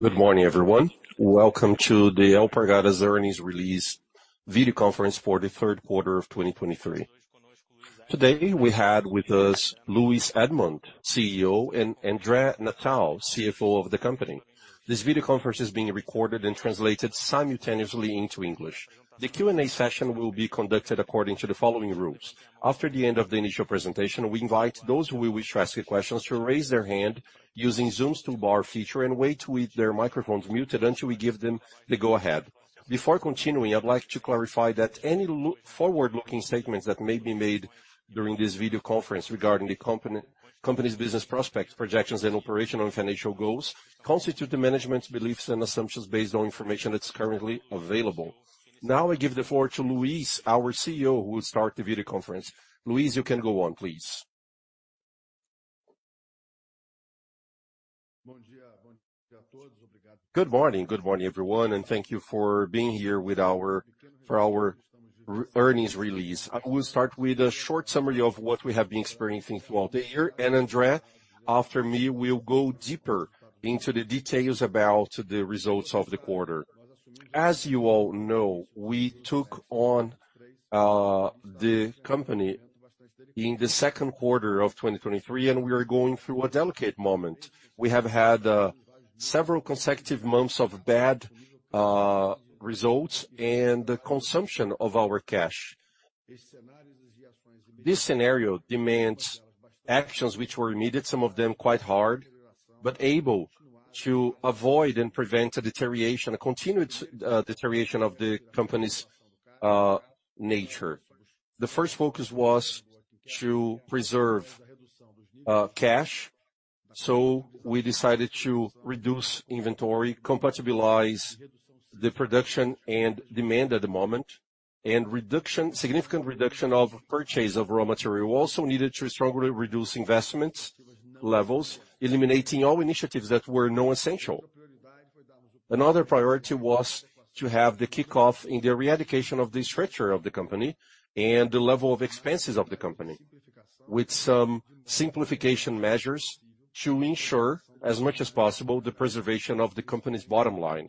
Good morning, everyone. Welcome to the Alpargatas Earnings Release video conference for the third quarter of 2023. Today, we have with us Luiz Edmond, CEO, and André Natal, CFO of the company. This video conference is being recorded and translated simultaneously into English. The Q&A session will be conducted according to the following rules: After the end of the initial presentation, we invite those who wish to ask questions to raise their hand using Zoom's toolbar feature and wait with their microphones muted until we give them the go-ahead. Before continuing, I'd like to clarify that any forward-looking statements that may be made during this video conference regarding the company, the company's business prospects, projections, and operational and financial goals, constitute the management's beliefs and assumptions based on information that's currently available. Now, I give the floor to Luiz, our CEO, who will start the video conference. Luiz, you can go on, please. Good morning. Good morning, everyone, and thank you for being here for our earnings release. I will start with a short summary of what we have been experiencing throughout the year, and André, after me, will go deeper into the details about the results of the quarter. As you all know, we took on the company in the second quarter of 2023, and we are going through a delicate moment. We have had several consecutive months of bad results and the consumption of our cash. This scenario demands actions which were immediate, some of them quite hard, but able to avoid and prevent a deterioration, a continued deterioration of the company's nature. The first focus was to preserve cash, so we decided to reduce inventory, compatibilize the production and demand at the moment, and significant reduction of purchase of raw material. We also needed to strongly reduce investment levels, eliminating all initiatives that were non-essential. Another priority was to have the kickoff in the reallocation of the structure of the company and the level of expenses of the company, with some simplification measures to ensure, as much as possible, the preservation of the company's bottom-line,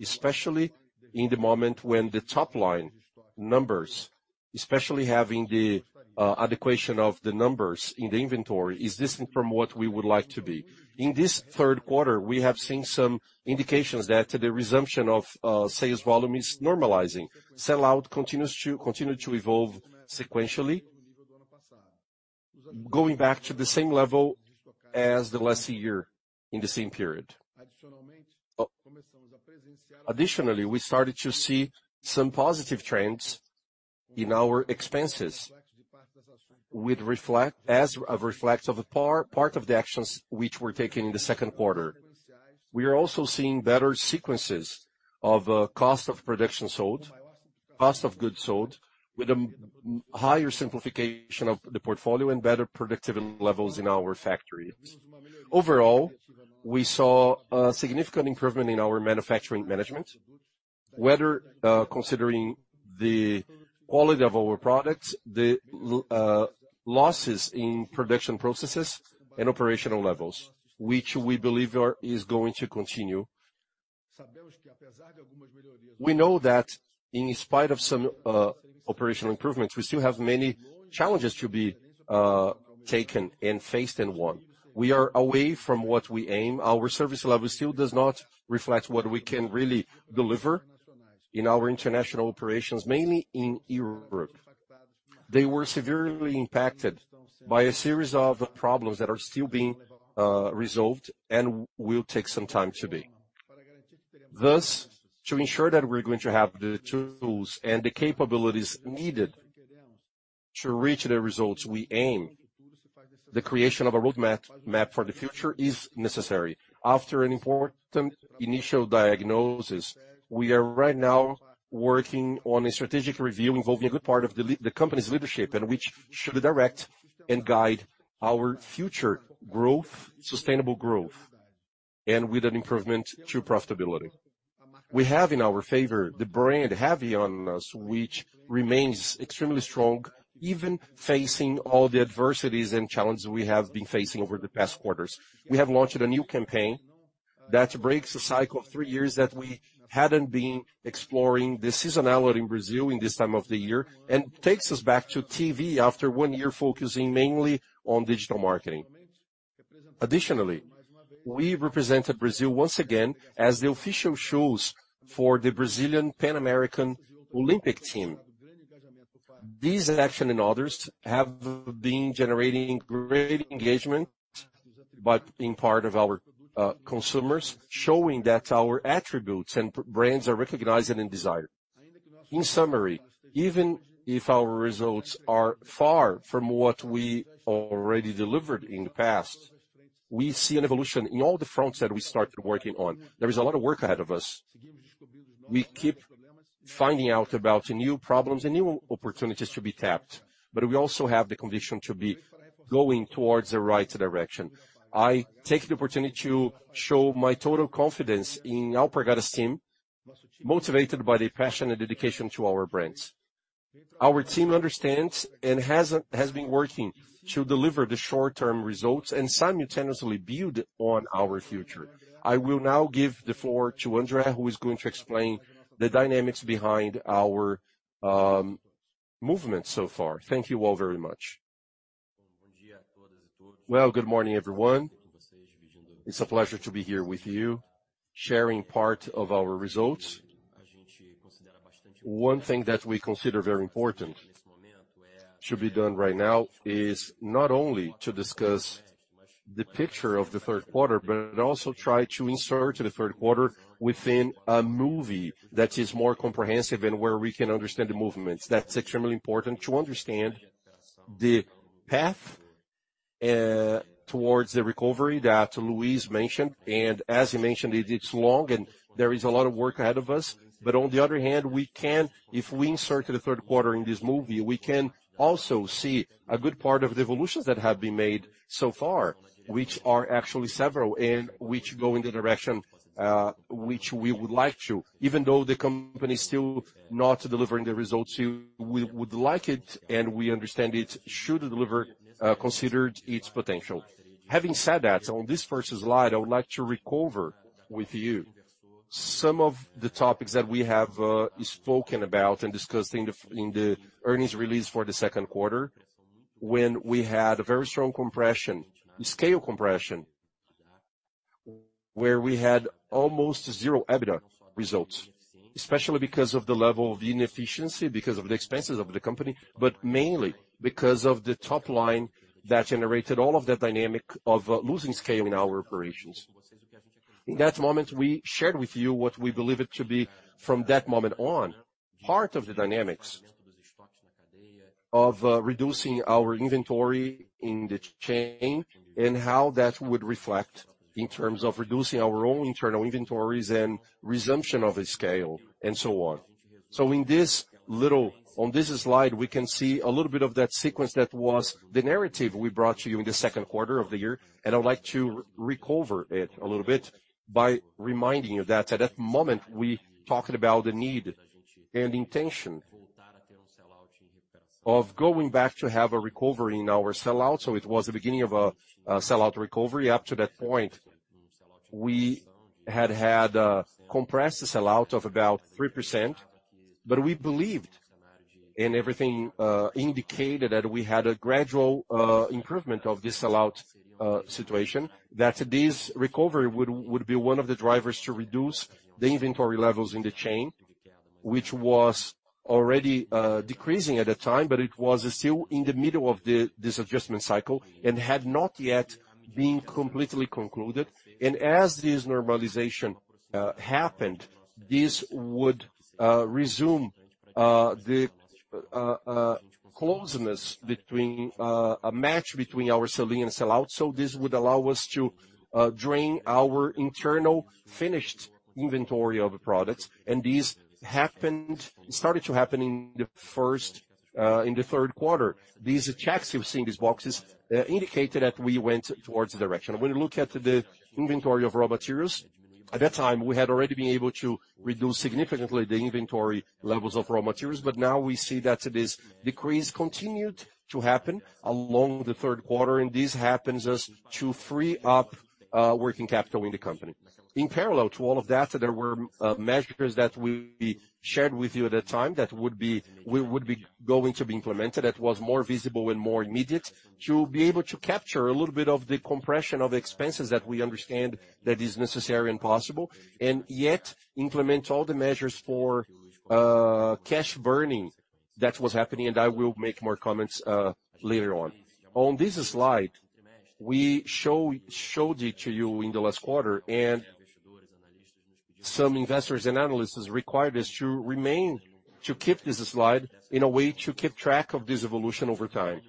especially in the moment when the top line numbers, especially having the allocation of the numbers in the inventory, is different from what we would like to be. In this third quarter, we have seen some indications that the resumption of sales volume is normalizing. Sell-out continues to continue to evolve sequentially, going back to the same level as the last year in the same period. Additionally, we started to see some positive trends in our expenses, with reflection as a reflection of a part of the actions which were taken in the second quarter. We are also seeing better sequences of cost of production sold, cost of goods sold, with a higher simplification of the portfolio and better productivity levels in our factory. Overall, we saw a significant improvement in our manufacturing management, whether considering the quality of our products, the losses in production processes and operational levels, which we believe are, is going to continue. We know that in spite of some operational improvements, we still have many challenges to be taken and faced and won. We are away from what we aim. Our service level still does not reflect what we can really deliver in our international operations, mainly in Europe. They were severely impacted by a series of problems that are still being resolved and will take some time to be. Thus, to ensure that we're going to have the tools and the capabilities needed to reach the results we aim, the creation of a roadmap for the future is necessary. After an important initial diagnosis, we are right now working on a strategic review involving a good part of the company's leadership, and which should direct and guide our future growth, sustainable growth, and with an improvement to profitability. We have in our favor, the brand Havaianas, which remains extremely strong, even facing all the adversities and challenges we have been facing over the past quarters. We have launched a new campaign that breaks the cycle of three years that we hadn't been exploring the seasonality in Brazil in this time of the year, and takes us back to TV after one year, focusing mainly on digital marketing. Additionally, we represented Brazil once again as the official shoes for the Brazilian Pan-American Olympic team. This action and others have been generating great engagement, but in part of our consumers, showing that our attributes and brands are recognized and in desire. In summary, even if our results are far from what we already delivered in the past, we see an evolution in all the fronts that we started working on. There is a lot of work ahead of us. We keep finding out about new problems and new opportunities to be tapped, but we also have the condition to be going towards the right direction. I take the opportunity to show my total confidence in the Alpargatas team, motivated by the passion and dedication to our brands.... Our team understands and has been working to deliver the short-term results and simultaneously build on our future. I will now give the floor to André, who is going to explain the dynamics behind our movement so far. Thank you all very much. Well, good morning, everyone. It's a pleasure to be here with you, sharing part of our results. One thing that we consider very important should be done right now is not only to discuss the picture of the third quarter, but also try to insert the third quarter within a movie that is more comprehensive and where we can understand the movements. That's extremely important to understand the path towards the recovery that Luiz mentioned. And as he mentioned, it's long and there is a lot of work ahead of us, but on the other hand, we can, if we insert the third quarter in this movie, we can also see a good part of the evolutions that have been made so far, which are actually several, and which go in the direction which we would like to. Even though the company is still not delivering the results we would like it, and we understand it should deliver, considered its potential. Having said that, on this first slide, I would like to recover with you some of the topics that we have spoken about and discussed in the earnings release for the second quarter, when we had a very strong compression, scale compression, where we had almost zero EBITDA results. Especially because of the level of inefficiency, because of the expenses of the company, but mainly because of the top line that generated all of that dynamic of losing scale in our operations. In that moment, we shared with you what we believe it to be from that moment on, part of the dynamics of reducing our inventory in the chain, and how that would reflect in terms of reducing our own internal inventories and resumption of the scale, and so on. So on this slide, we can see a little bit of that sequence that was the narrative we brought to you in the second quarter of the year, and I'd like to recover it a little bit by reminding you that at that moment, we talked about the need and intention of going back to have a recovery in our sell-out. So it was the beginning of a sell-out recovery. Up to that point, we had had compressed the sell-out of about 3%, but we believed and everything indicated that we had a gradual improvement of the sell-out situation. That this recovery would be one of the drivers to reduce the inventory levels in the chain, which was already decreasing at the time, but it was still in the middle of this adjustment cycle and had not yet been completely concluded. And as this normalization happened, this would resume the closeness between-- a match between our sell-in and sell-out, so this would allow us to drain our internal finished inventory of products. And this happened-- started to happen in the first, in the third quarter. These checks you see in these boxes indicated that we went towards the direction. When you look at the inventory of raw materials, at that time, we had already been able to reduce significantly the inventory levels of raw materials, but now we see that this decrease continued to happen along the third quarter, and this happens as to free up working capital in the company. In parallel to all of that, there were measures that we shared with you at the time that would be we would be going to be implemented, that was more visible and more immediate, to be able to capture a little bit of the compression of expenses that we understand that is necessary and possible, and yet implement all the measures for cash burning. That was happening, and I will make more comments later on. On this slide, we show, showed it to you in the last quarter, and some investors and analysts required us to remain, to keep this slide in a way to keep track of this evolution over time.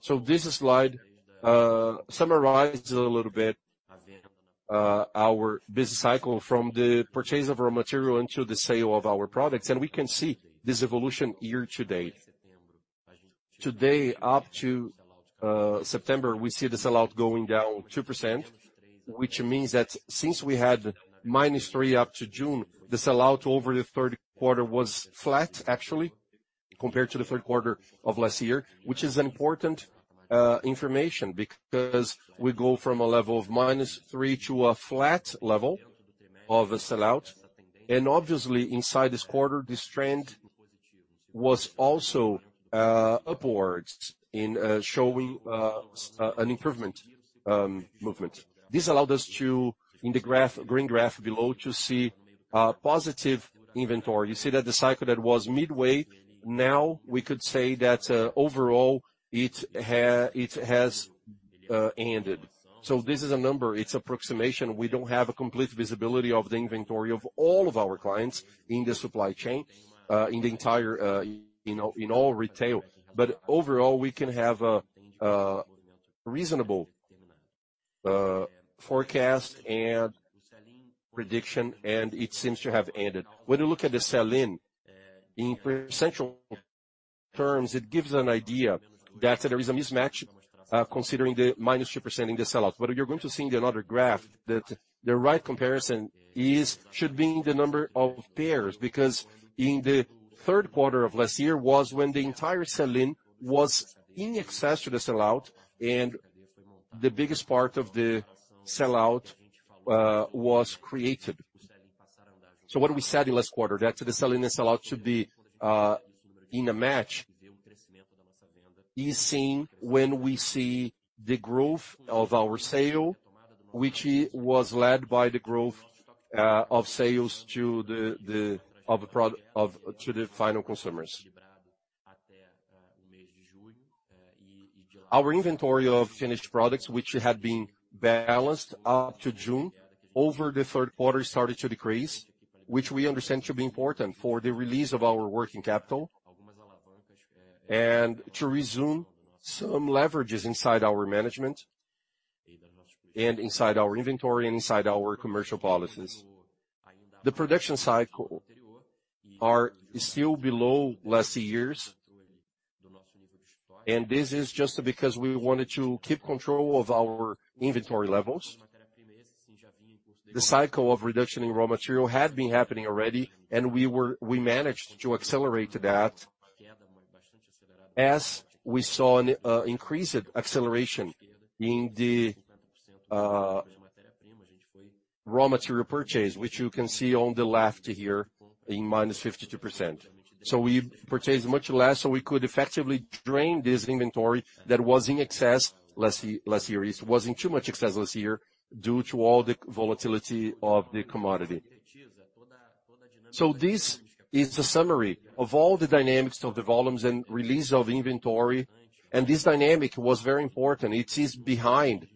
So this slide summarizes a little bit our business cycle from the purchase of raw material into the sale of our products, and we can see this evolution year to date. Today, up to September, we see the sell-out going down 2%, which means that since we had -3 up to June, the sell-out over the third quarter was flat, actually, compared to the third quarter of last year. Which is important information because we go from a level of -3 to a flat level of a sell-out. Obviously, inside this quarter, this trend was also upwards in showing an improvement movement. This allowed us to, in the graph, green graph below, to see a positive inventory. You see that the cycle that was midway, now we could say that overall, it has ended. So this is a number, it's approximation. We don't have a complete visibility of the inventory of all of our clients in the supply chain in the entire in all retail. But overall, we can have a reasonable forecast and prediction, and it seems to have ended. When you look at the sell-in, in percentage terms, it gives an idea that there is a mismatch, considering the -2% in the sell-out. But you're going to see in another graph that the right comparison is, should be in the number of pairs, because in the third quarter of last year was when the entire sell-in was in excess to the sell-out, and the biggest part of the sell-out was created. So what we said in last quarter, that the sell-in and sell-out should be in a match, is seen when we see the growth of our sale, which was led by the growth of sales to the final consumers. Our inventory of finished products, which had been balanced up to June, over the third quarter, started to decrease, which we understand to be important for the release of our working capital, and to resume some leverages inside our management and inside our inventory and inside our commercial policies. The production cycle are still below last year's, and this is just because we wanted to keep control of our inventory levels. The cycle of reduction in raw material had been happening already, and we were—we managed to accelerate that as we saw an increased acceleration in the raw material purchase, which you can see on the left here in -52%. So we purchased much less, so we could effectively drain this inventory that was in excess last year. It was in too much excess last year due to all the volatility of the commodity. So this is a summary of all the dynamics of the volumes and release of inventory, and this dynamic was very important. It is behind,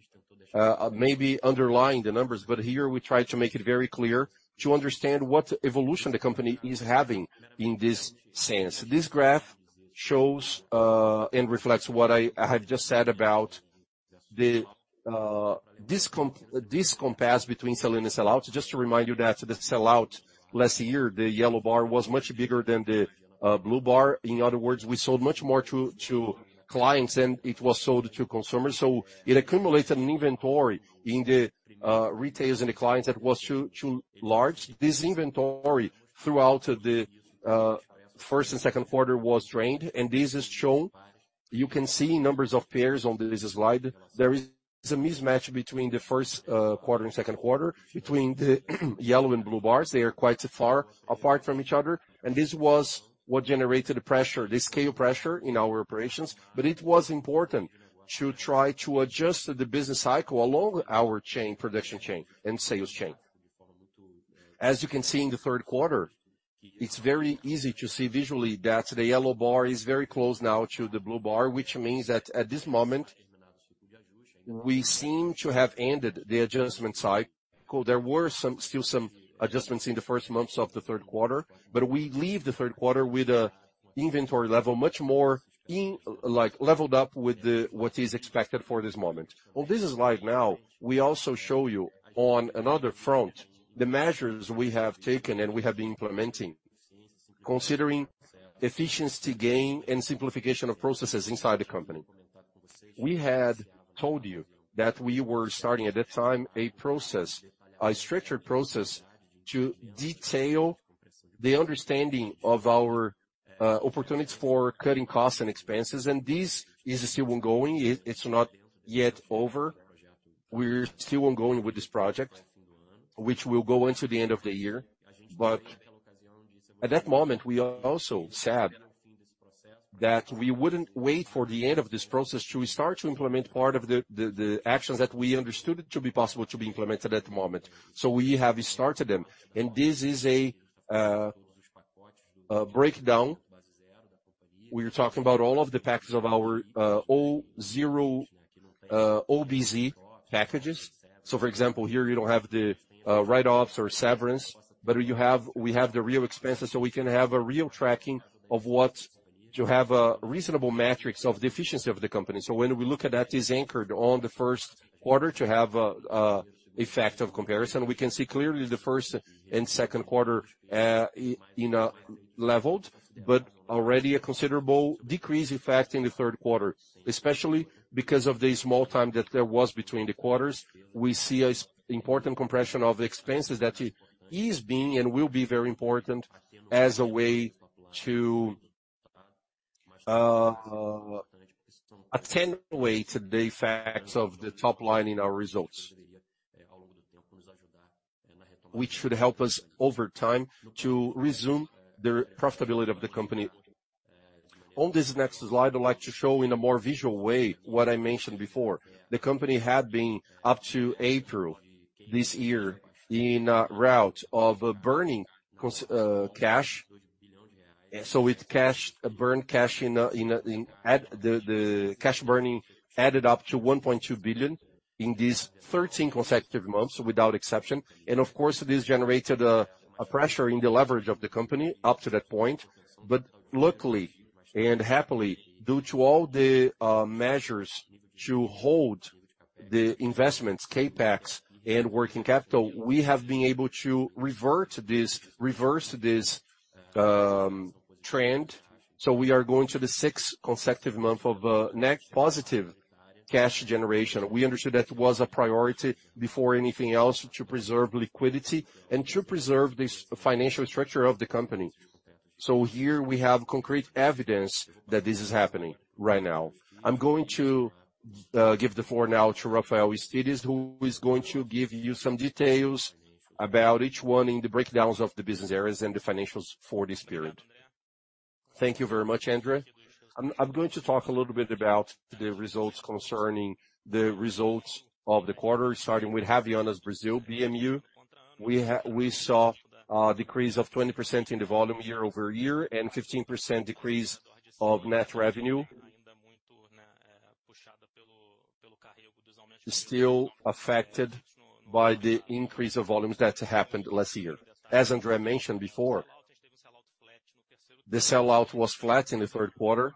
maybe underlying the numbers, but here we try to make it very clear to understand what evolution the company is having in this sense. This graph shows and reflects what I have just said about the discompass between sell-in and sell-out. Just to remind you that the sell-out last year, the yellow bar, was much bigger than the blue bar. In other words, we sold much more to clients than it was sold to consumers, so it accumulated an inventory in the retailers and the clients that was too large. This inventory, throughout the first and second quarter, was drained, and this is shown. You can see numbers of pairs on this slide. There is a mismatch between the first quarter and second quarter, between the yellow and blue bars. They are quite far apart from each other, and this was what generated the pressure, the scale pressure in our operations. But it was important to try to adjust the business cycle along our chain, production chain and sales chain. As you can see in the third quarter, it's very easy to see visually that the yellow bar is very close now to the blue bar, which means that at this moment, we seem to have ended the adjustment cycle. There were still some adjustments in the first months of the third quarter, but we leave the third quarter with a inventory level much more in, like, leveled up with the, what is expected for this moment. On this slide now, we also show you on another front, the measures we have taken and we have been implementing, considering efficiency gain and simplification of processes inside the company. We had told you that we were starting, at that time, a process, a structured process, to detail the understanding of our opportunities for cutting costs and expenses, and this is still ongoing. It, it's not yet over. We're still ongoing with this project, which will go into the end of the year. But at that moment, we also said that we wouldn't wait for the end of this process to start to implement part of the actions that we understood to be possible to be implemented at the moment. So we have started them, and this is a breakdown. We are talking about all of the packages of our zero OBZ packages. So, for example, here, you don't have the write-offs or severance, but you have—we have the real expenses, so we can have a real tracking of what to have a reasonable metrics of the efficiency of the company. So when we look at that, is anchored on the first quarter to have a effect of comparison. We can see clearly the first and second quarter in a leveled, but already a considerable decrease effect in the third quarter, especially because of the small time that there was between the quarters. We see a important compression of expenses that is being, and will be, very important as a way to attenuate the effects of the top line in our results. Which should help us, over time, to resume the profitability of the company. On this next slide, I'd like to show in a more visual way what I mentioned before. The company had been, up to April this year, in a route of burning cash. So the cash burning added up to 1.2 billion in these 13 consecutive months without exception. And of course, this generated a pressure in the leverage of the company up to that point. But luckily, and happily, due to all the measures to hold the investments, CapEx and working capital, we have been able to revert this, reverse this, trend. So we are going to the sixth consecutive month of net positive cash generation. We understood that was a priority before anything else, to preserve liquidity and to preserve this financial structure of the company. So here we have concrete evidence that this is happening right now. I'm going to give the floor now to Rafael Estides, who is going to give you some details about each one in the breakdowns of the business areas and the financials for this period. Thank you very much, André. I'm going to talk a little bit about the results concerning the results of the quarter, starting with Havaianas Brazil, BU. We saw a decrease of 20% in the volume year-over-year, and 15% decrease of net revenue. Still affected by the increase of volumes that happened last year. As André mentioned before, the sellout was flat in the third quarter.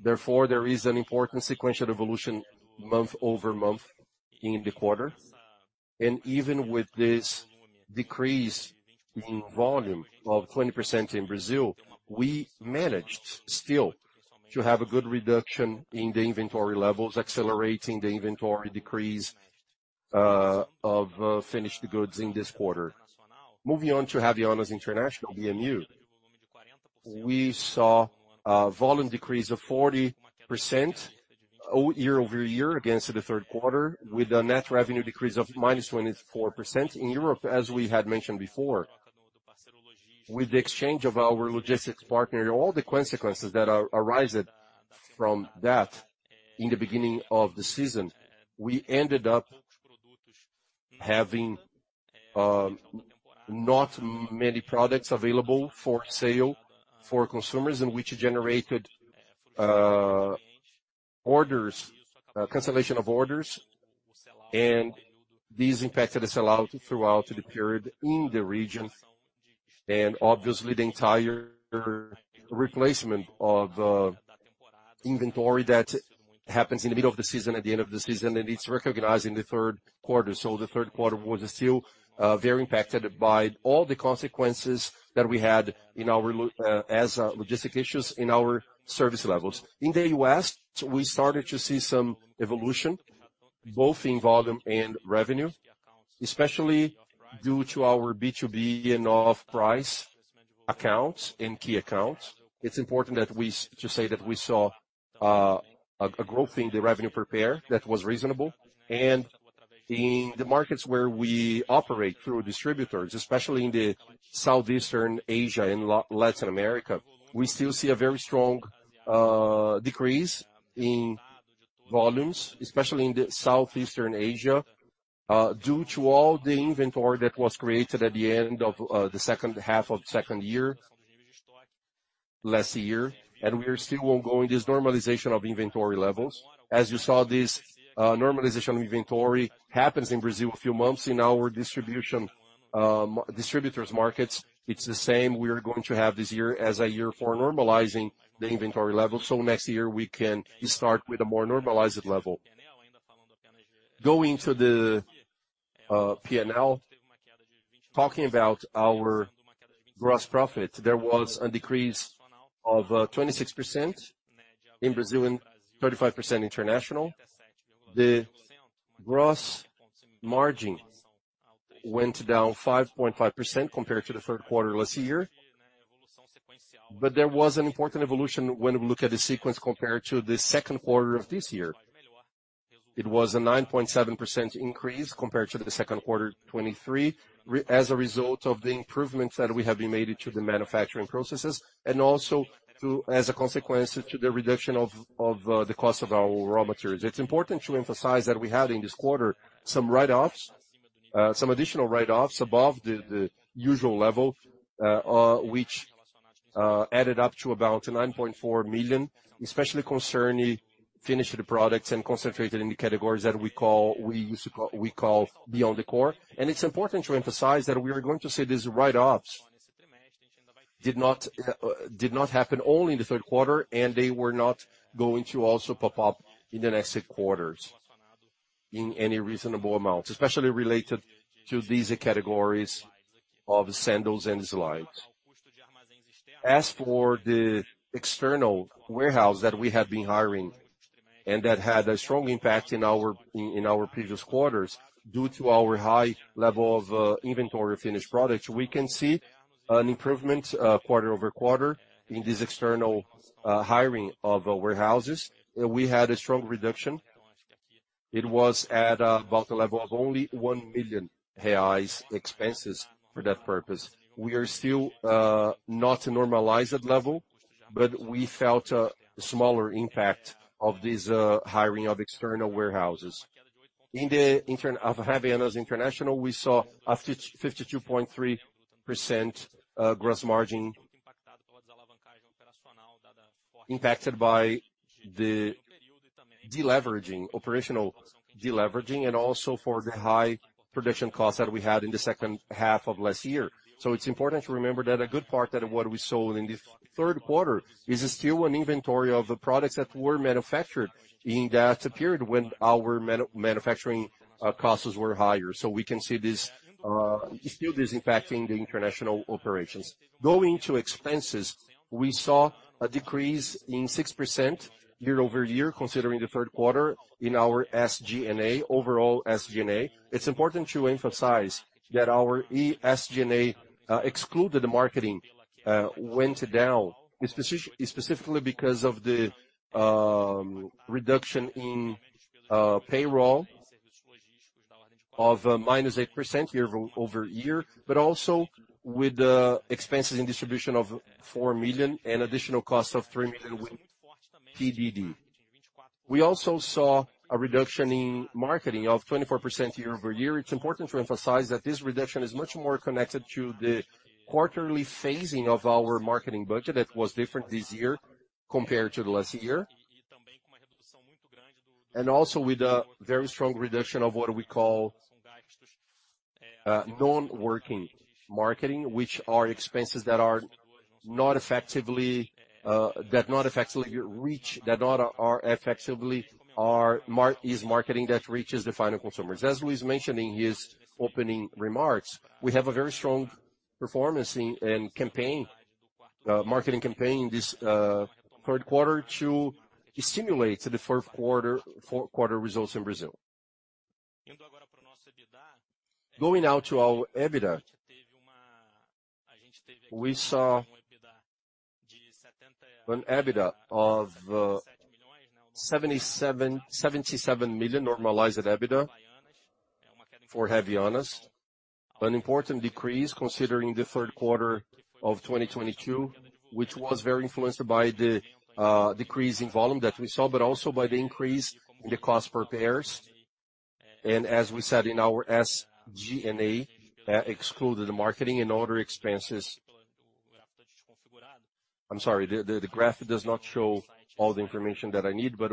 Therefore, there is an important sequential evolution month-over-month in the quarter. Even with this decrease in volume of 20% in Brazil, we managed still to have a good reduction in the inventory levels, accelerating the inventory decrease of finished goods in this quarter. Moving on to Havaianas International, BU. We saw a volume decrease of 40% year-over-year against the third quarter, with a net revenue decrease of -24%. In Europe, as we had mentioned before, with the exchange of our logistics partner, all the consequences that arose from that in the beginning of the season, we ended up having not many products available for sale for consumers, and which generated cancellation of orders, and this impacted the sell-out throughout the period in the region. Obviously, the entire replacement of inventory that happens in the middle of the season, at the end of the season, and it's recognized in the third quarter. So the third quarter was still very impacted by all the consequences that we had in our logistics issues in our service levels. In the U.S., we started to see some evolution, both in volume and revenue, especially due to our B2B and off-price accounts and key accounts. It's important to say that we saw a growth in the revenue per pair that was reasonable. In the markets where we operate through distributors, especially in Southeastern Asia and Latin America, we still see a very strong decrease in volumes, especially in Southeastern Asia, due to all the inventory that was created at the end of the second half of second year, last year. We are still ongoing this normalization of inventory levels. As you saw, this normalization of inventory happens in Brazil a few months. In our distribution distributors markets, it's the same, we are going to have this year as a year for normalizing the inventory level, so next year we can start with a more normalized level. Going to the P&L, talking about our gross profit, there was a decrease of 26% in Brazil and 35% international. The gross margin went down 5.5% compared to the third quarter last year. But there was an important evolution when we look at the sequence compared to the second quarter of this year. It was a 9.7% increase compared to the second quarter 2023, as a result of the improvements that we have been made to the manufacturing processes, and also to as a consequence to the reduction of, of, the cost of our raw materials. It's important to emphasize that we had in this quarter some write-offs, some additional write-offs above the, the usual level, which, added up to about 9.4 million, especially concerning finished products and concentrated in the categories that we call, we used to call, we call Beyond the Core. It's important to emphasize that we are going to say these write-offs did not, did not happen only in the third quarter, and they were not going to also pop up in the next quarters in any reasonable amount, especially related to these categories of sandals and slides. As for the external warehouse that we have been hiring, and that had a strong impact in our, in our previous quarters, due to our high level of inventory of finished products, we can see an improvement quarter-over-quarter in this external hiring of warehouses. We had a strong reduction. It was at about a level of only 1 million reais expenses for that purpose. We are still not normalized level, but we felt a smaller impact of this hiring of external warehouses. In the international of Havaianas International, we saw a 52.3% gross margin impacted by the deleveraging, operational deleveraging, and also for the high production costs that we had in the second half of last year. So it's important to remember that a good part of what we sold in the third quarter is still an inventory of the products that were manufactured in that period when our manufacturing costs were higher. So we can see this still is impacting the international operations. Going to expenses, we saw a decrease in 6% year-over-year, considering the third quarter in our SG&A, overall SG&A. It's important to emphasize that our SG&A, excluded the marketing, went down specifically because of the reduction in payroll of -8% year-over-year, but also with the expenses in distribution of 4 million and additional cost of 3 million with PDD. We also saw a reduction in marketing of 24% year-over-year. It's important to emphasize that this reduction is much more connected to the quarterly phasing of our marketing budget that was different this year compared to the last year. And also with a very strong reduction of what we call non-working marketing, which are expenses that are not effectively reaching the final consumers. As Luiz mentioned in his opening remarks, we have a very strong performance in campaign, marketing campaign, this third quarter to stimulate the fourth quarter results in Brazil. Going now to our EBITDA. We saw an EBITDA of 77 million normalized EBITDA for Havaianas. An important decrease considering the third quarter of 2022, which was very influenced by the decrease in volume that we saw, but also by the increase in the cost per pairs. And as we said in our SG&A, excluded the marketing and other expenses. I'm sorry, the graph does not show all the information that I need, but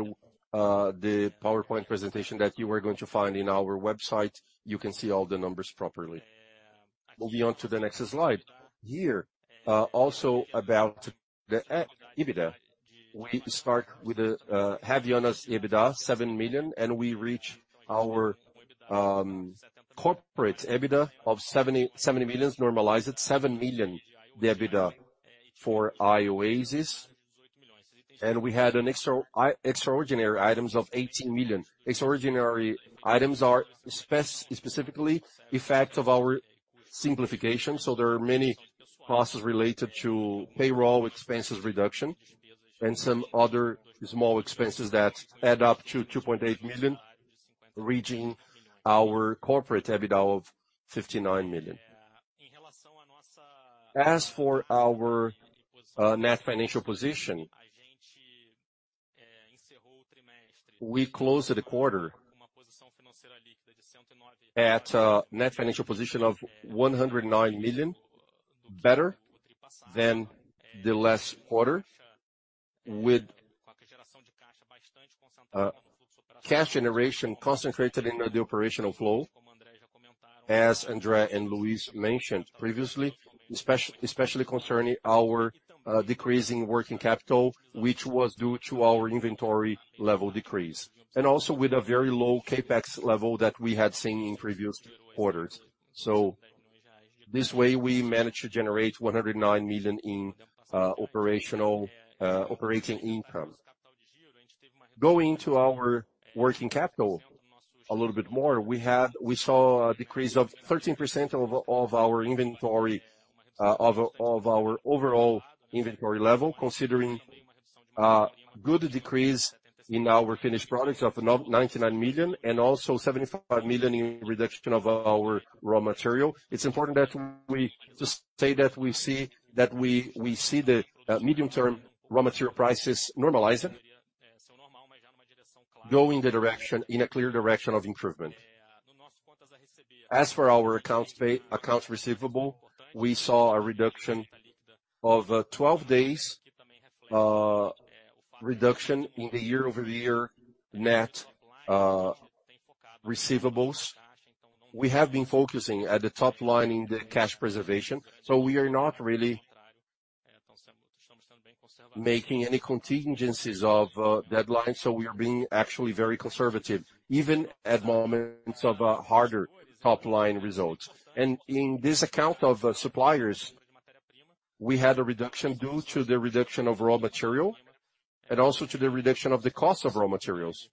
the PowerPoint presentation that you are going to find in our website, you can see all the numbers properly. Moving on to the next slide. Here, also about the EBITDA. We start with the Havaianas EBITDA, 7 million, and we reach our corporate EBITDA of 77 million normalized, 7 million, the EBITDA for Ioasys. And we had extraordinary items of 18 million. Extraordinary items are specifically effects of our simplification, so there are many costs related to payroll expenses reduction, and some other small expenses that add up to 2.8 million, reaching our corporate EBITDA of 59 million. As for our net financial position, we closed the quarter at a net financial position of 109 million, better than the last quarter, with cash generation concentrated in the operational flow, as André and Luiz mentioned previously, especially concerning our decreasing working capital, which was due to our inventory level decrease. And also with a very low CapEx level that we had seen in previous quarters. So this way, we managed to generate 109 million in operational operating income. Going to our working capital a little bit more, we saw a decrease of 13% of our inventory, of our overall inventory level, considering good decrease in our finished products of 99 million, and also 75 million in reduction of our raw material. It's important that we just say that we see, we see the medium-term raw material prices normalizing, going the direction, in a clear direction of improvement. As for our accounts receivable, we saw a reduction of 12 days reduction in the year-over-year net receivables. We have been focusing at the top line in the cash preservation, so we are not really making any contingencies of deadlines, so we are being actually very conservative, even at moments of harder top-line results. And in this account of suppliers, we had a reduction due to the reduction of raw material, and also to the reduction of the cost of raw materials.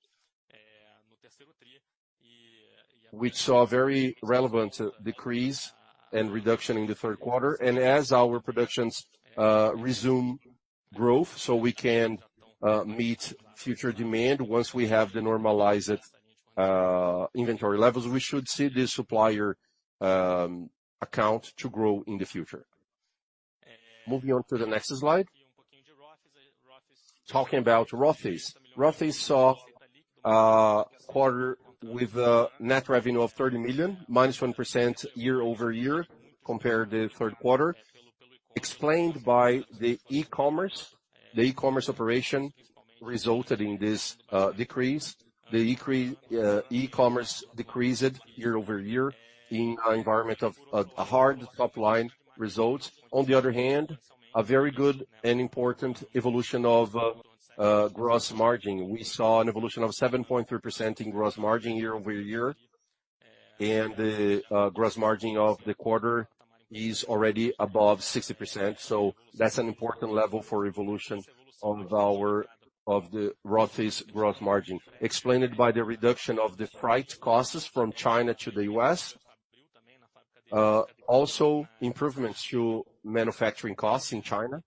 We saw a very relevant decrease and reduction in the third quarter, and as our productions resume growth, so we can meet future demand, once we have the normalized inventory levels, we should see the supplier account to grow in the future. Moving on to the next slide. Talking about Rothy's. Rothy's saw a quarter with a net revenue of $30 million, -1% year-over-year, compared the third quarter.... explained by the e-commerce. The e-commerce operation resulted in this decrease. The direct e-commerce decreased year-over-year in an environment of a hard top line result. On the other hand, a very good and important evolution of gross margin. We saw an evolution of 7.3% in gross margin year-over-year, and the gross margin of the quarter is already above 60%. So that's an important level for evolution of our—of the Rothy's gross margin. Explained by the reduction of the freight costs from China to the U.S. Also improvements to manufacturing costs in China,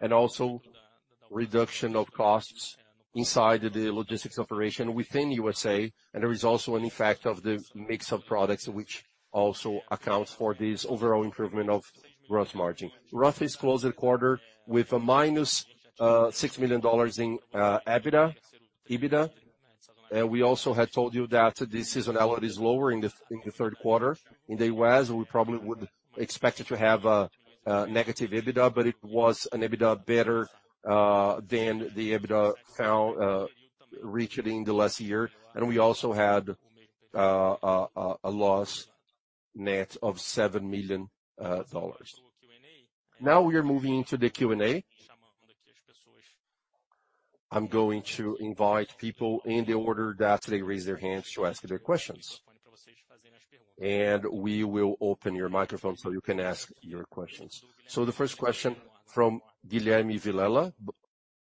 and also reduction of costs inside the logistics operation within U.S. There is also an effect of the mix of products, which also accounts for this overall improvement of gross margin. Rothy's closed the quarter with a minus $6 million in EBITDA. And we also had told you that the seasonality is lower in the third quarter. In the U.S., we probably would expect it to have a negative EBITDA, but it was an EBITDA better than the EBITDA found reached in the last year. And we also had a loss net of $7 million. Now we are moving to the Q&A. I'm going to invite people in the order that they raise their hands to ask their questions. And we will open your microphone, so you can ask your questions. So the first question from Guilherme Vilela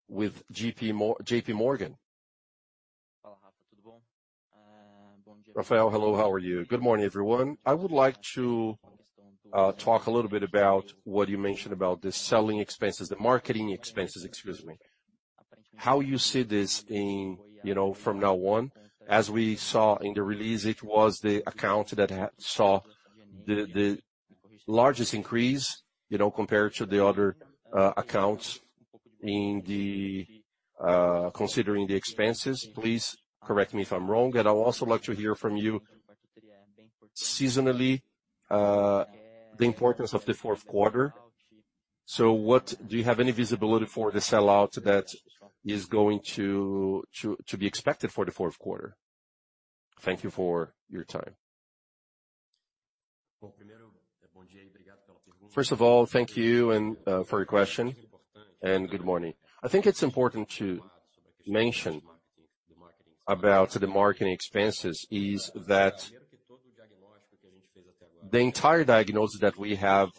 with JPMorgan. Rafael, hello, how are you? Good morning, everyone. I would like to talk a little bit about what you mentioned about the sell-in expenses, the marketing expenses, excuse me. How do you see this in, you know, from now on? As we saw in the release, it was the account that had the largest increase, you know, compared to the other accounts considering the expenses. Please correct me if I'm wrong, and I would also like to hear from you, seasonally, the importance of the fourth quarter. So what do you have any visibility for the sellout that is going to be expected for the fourth quarter? Thank you for your time. First of all, thank you for your question, and good morning. I think it's important to mention about the marketing expenses, is that the entire diagnosis that we have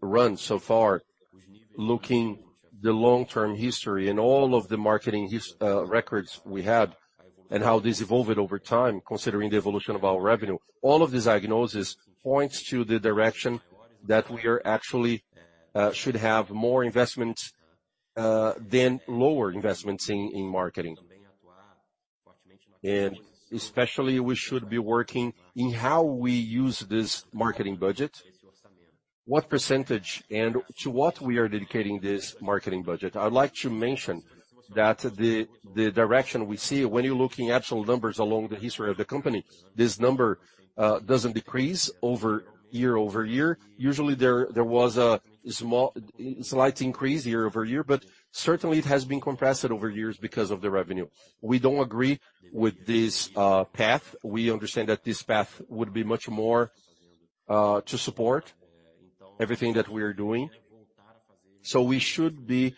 run so far, looking the long-term history and all of the marketing history records we had and how this evolved over time, considering the evolution of our revenue. All of the diagnosis points to the direction that we are actually should have more investment than lower investments in marketing. And especially, we should be working in how we use this marketing budget, what percentage and to what we are dedicating this marketing budget. I'd like to mention that the direction we see when you're looking at actual numbers along the history of the company, this number doesn't decrease over year-over-year. Usually, there was a small, slight increase year over year, but certainly it has been compressed over years because of the revenue. We don't agree with this path. We understand that this path would be much more to support everything that we are doing. So we should be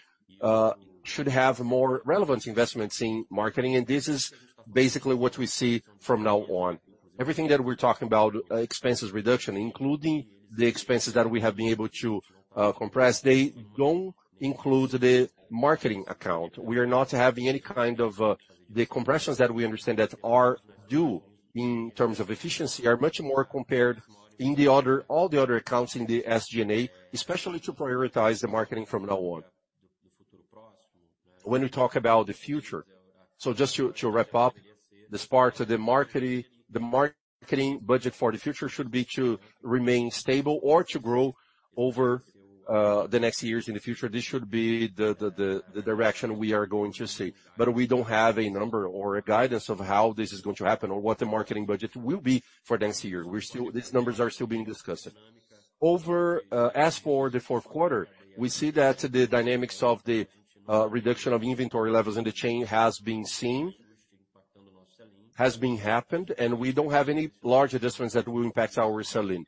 should have more relevant investments in marketing, and this is basically what we see from now on. Everything that we're talking about, expenses reduction, including the expenses that we have been able to compress, they don't include the marketing account. We are not having any kind of... The compressions that we understand that are due in terms of efficiency, are much more compared in the other, all the other accounts in the SG&A, especially to prioritize the marketing from now on. When we talk about the future, just to wrap up this part, the marketing budget for the future should be to remain stable or to grow over the next years in the future. This should be the direction we are going to see. But we don't have a number or a guidance of how this is going to happen or what the marketing budget will be for the next year. We're still. These numbers are still being discussed. Over, as for the fourth quarter, we see that the dynamics of the reduction of inventory levels in the chain has been seen, has been happened, and we don't have any large difference that will impact our sell-in.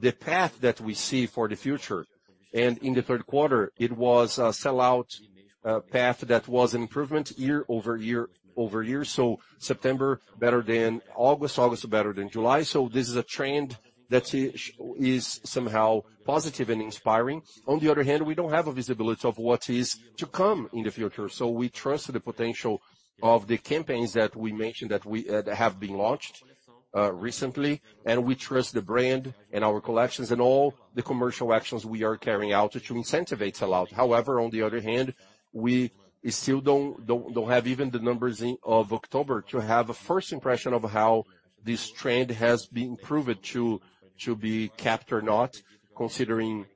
The path that we see for the future, and in the third quarter, it was a sell-out path that was an improvement year-over-year. So September, better than August, August better than July. So this is a trend that is somehow positive and inspiring. On the other hand, we don't have a visibility of what is to come in the future. So we trust the potential of the campaigns that we mentioned that have been launched recently, and we trust the brand and our collections and all the commercial actions we are carrying out to incentivize a lot. However, on the other hand, we still don't have even the numbers of October to have a first impression of how this trend has been proved to be kept or not, considering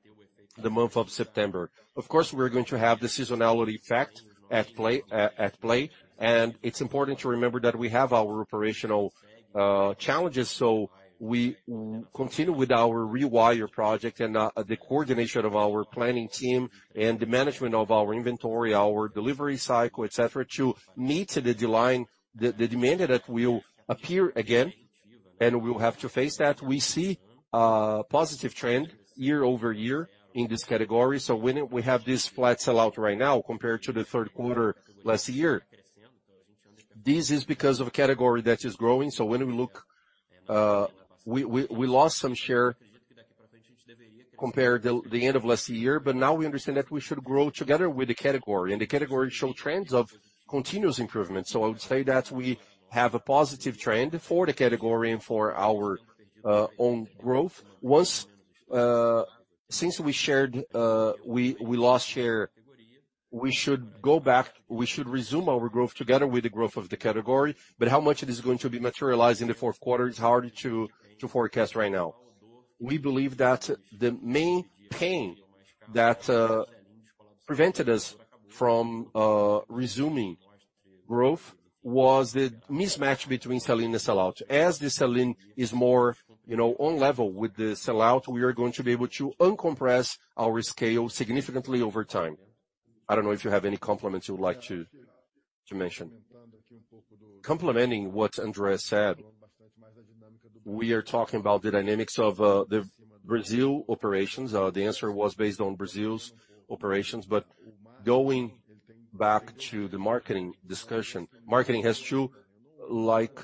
the month of September. Of course, we're going to have the seasonality effect at play, at play, and it's important to remember that we have our operational challenges. So we continue with our rewire project and the coordination of our planning team and the management of our inventory, our delivery cycle, et cetera, to meet the demand that will appear again, and we'll have to face that. We see a positive trend year-over-year in this category. So when we have this flat sell-out right now compared to the third quarter last year, this is because of a category that is growing. So when we look, we lost some share compared to the end of last year, but now we understand that we should grow together with the category, and the category shows trends of continuous improvement. So I would say that we have a positive trend for the category and for our own growth. Once since we shared we lost share, we should go back, we should resume our growth together with the growth of the category. But how much it is going to be materialized in the fourth quarter is hard to forecast right now. We believe that the main pain that prevented us from resuming growth was the mismatch between sell-in and sellout. As the sell-in is more, you know, on level with the sellout, we are going to be able to uncompress our scale significantly over time. I don't know if you have any comments you would like to mention. Complementing what André said, we are talking about the dynamics of the Brazil operations. The answer was based on Brazil's operations. Going back to the marketing discussion, marketing has two, like,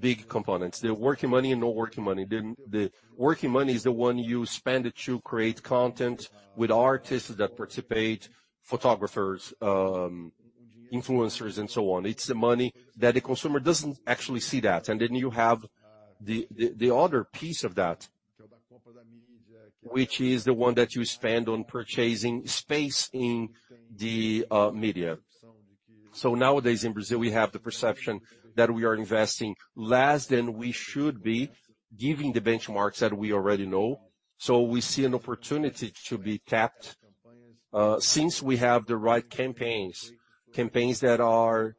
big components: the working money and non-working money. The working money is the one you spend to create content with artists that participate, photographers, influencers, and so on. It's the money that the consumer doesn't actually see that. And then you have the other piece of that, which is the one that you spend on purchasing space in the media. So nowadays, in Brazil, we have the perception that we are investing less than we should be, given the benchmarks that we already know. So we see an opportunity to be tapped, since we have the right campaigns, campaigns that are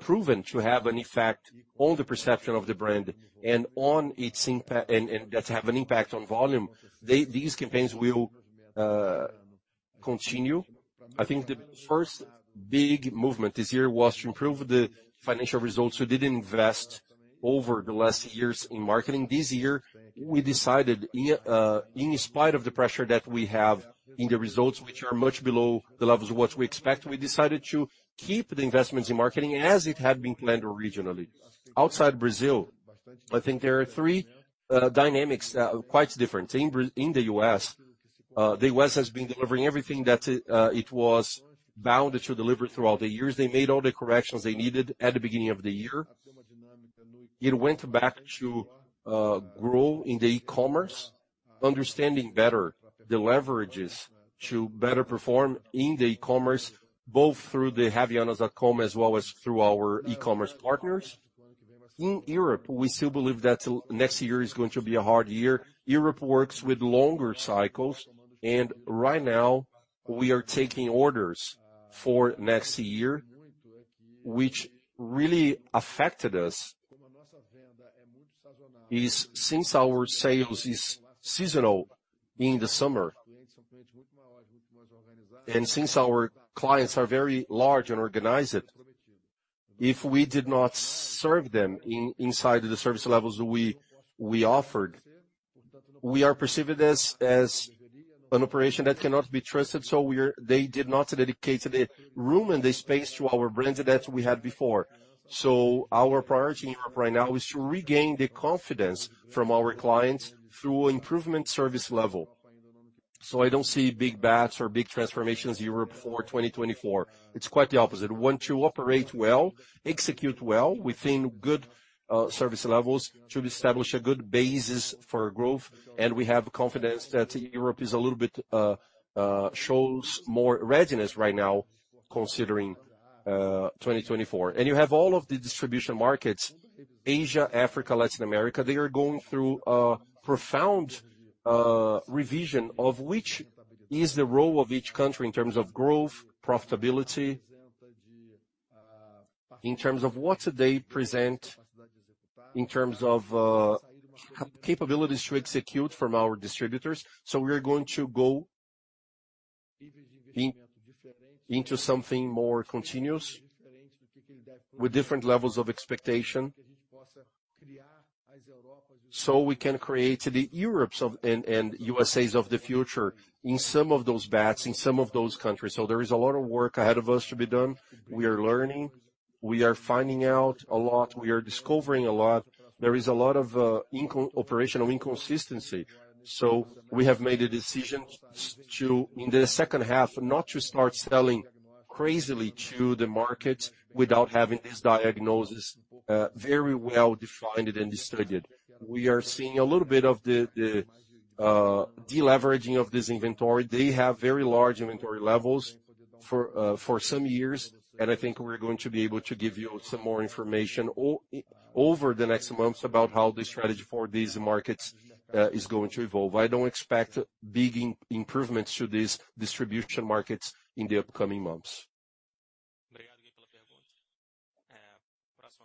proven to have an effect on the perception of the brand and on its impact—and that has an impact on volume. These campaigns will continue. I think the first big movement this year was to improve the financial results. We didn't invest over the last years in marketing. This year, we decided, in spite of the pressure that we have in the results, which are much below the levels of what we expect, we decided to keep the investments in marketing as it had been planned originally. Outside Brazil, I think there are three dynamics that are quite different. In the U.S., the U.S. has been delivering everything that it was bound to deliver throughout the years. They made all the corrections they needed at the beginning of the year. It went back to grow in the e-commerce, understanding better the leverages to better perform in the e-commerce, both through the Havaianas.com, as well as through our e-commerce partners. In Europe, we still believe that next year is going to be a hard year. Europe works with longer cycles, and right now, we are taking orders for next year, which really affected us, is since our sales is seasonal in the summer, and since our clients are very large and organized, if we did not serve them inside the service levels we, we offered, we are perceived as, as an operation that cannot be trusted, so we're, they did not dedicate the room and the space to our brand that we had before. So our priority right now is to regain the confidence from our clients through improvement service level. So I don't see big bets or big transformations Europe for 2024. It's quite the opposite. We want to operate well, execute well within good service levels to establish a good basis for growth, and we have confidence that Europe is a little bit shows more readiness right now, considering 2024. And you have all of the distribution markets, Asia, Africa, Latin America, they are going through a profound revision of which is the role of each country in terms of growth, profitability, in terms of what do they present, in terms of capabilities to execute from our distributors. So we are going to go in, into something more continuous with different levels of expectation, so we can create the Europes of and, and USAs of the future in some of those bets, in some of those countries. So there is a lot of work ahead of us to be done. We are learning, we are finding out a lot, we are discovering a lot. There is a lot of operational inconsistency, so we have made a decision to, in the second half, not to start sell-in crazily to the market without having this diagnosis very well defined and studied. We are seeing a little bit of the deleveraging of this inventory. They have very large inventory levels for some years, and I think we're going to be able to give you some more information over the next months about how the strategy for these markets is going to evolve. I don't expect big improvements to these distribution markets in the upcoming months.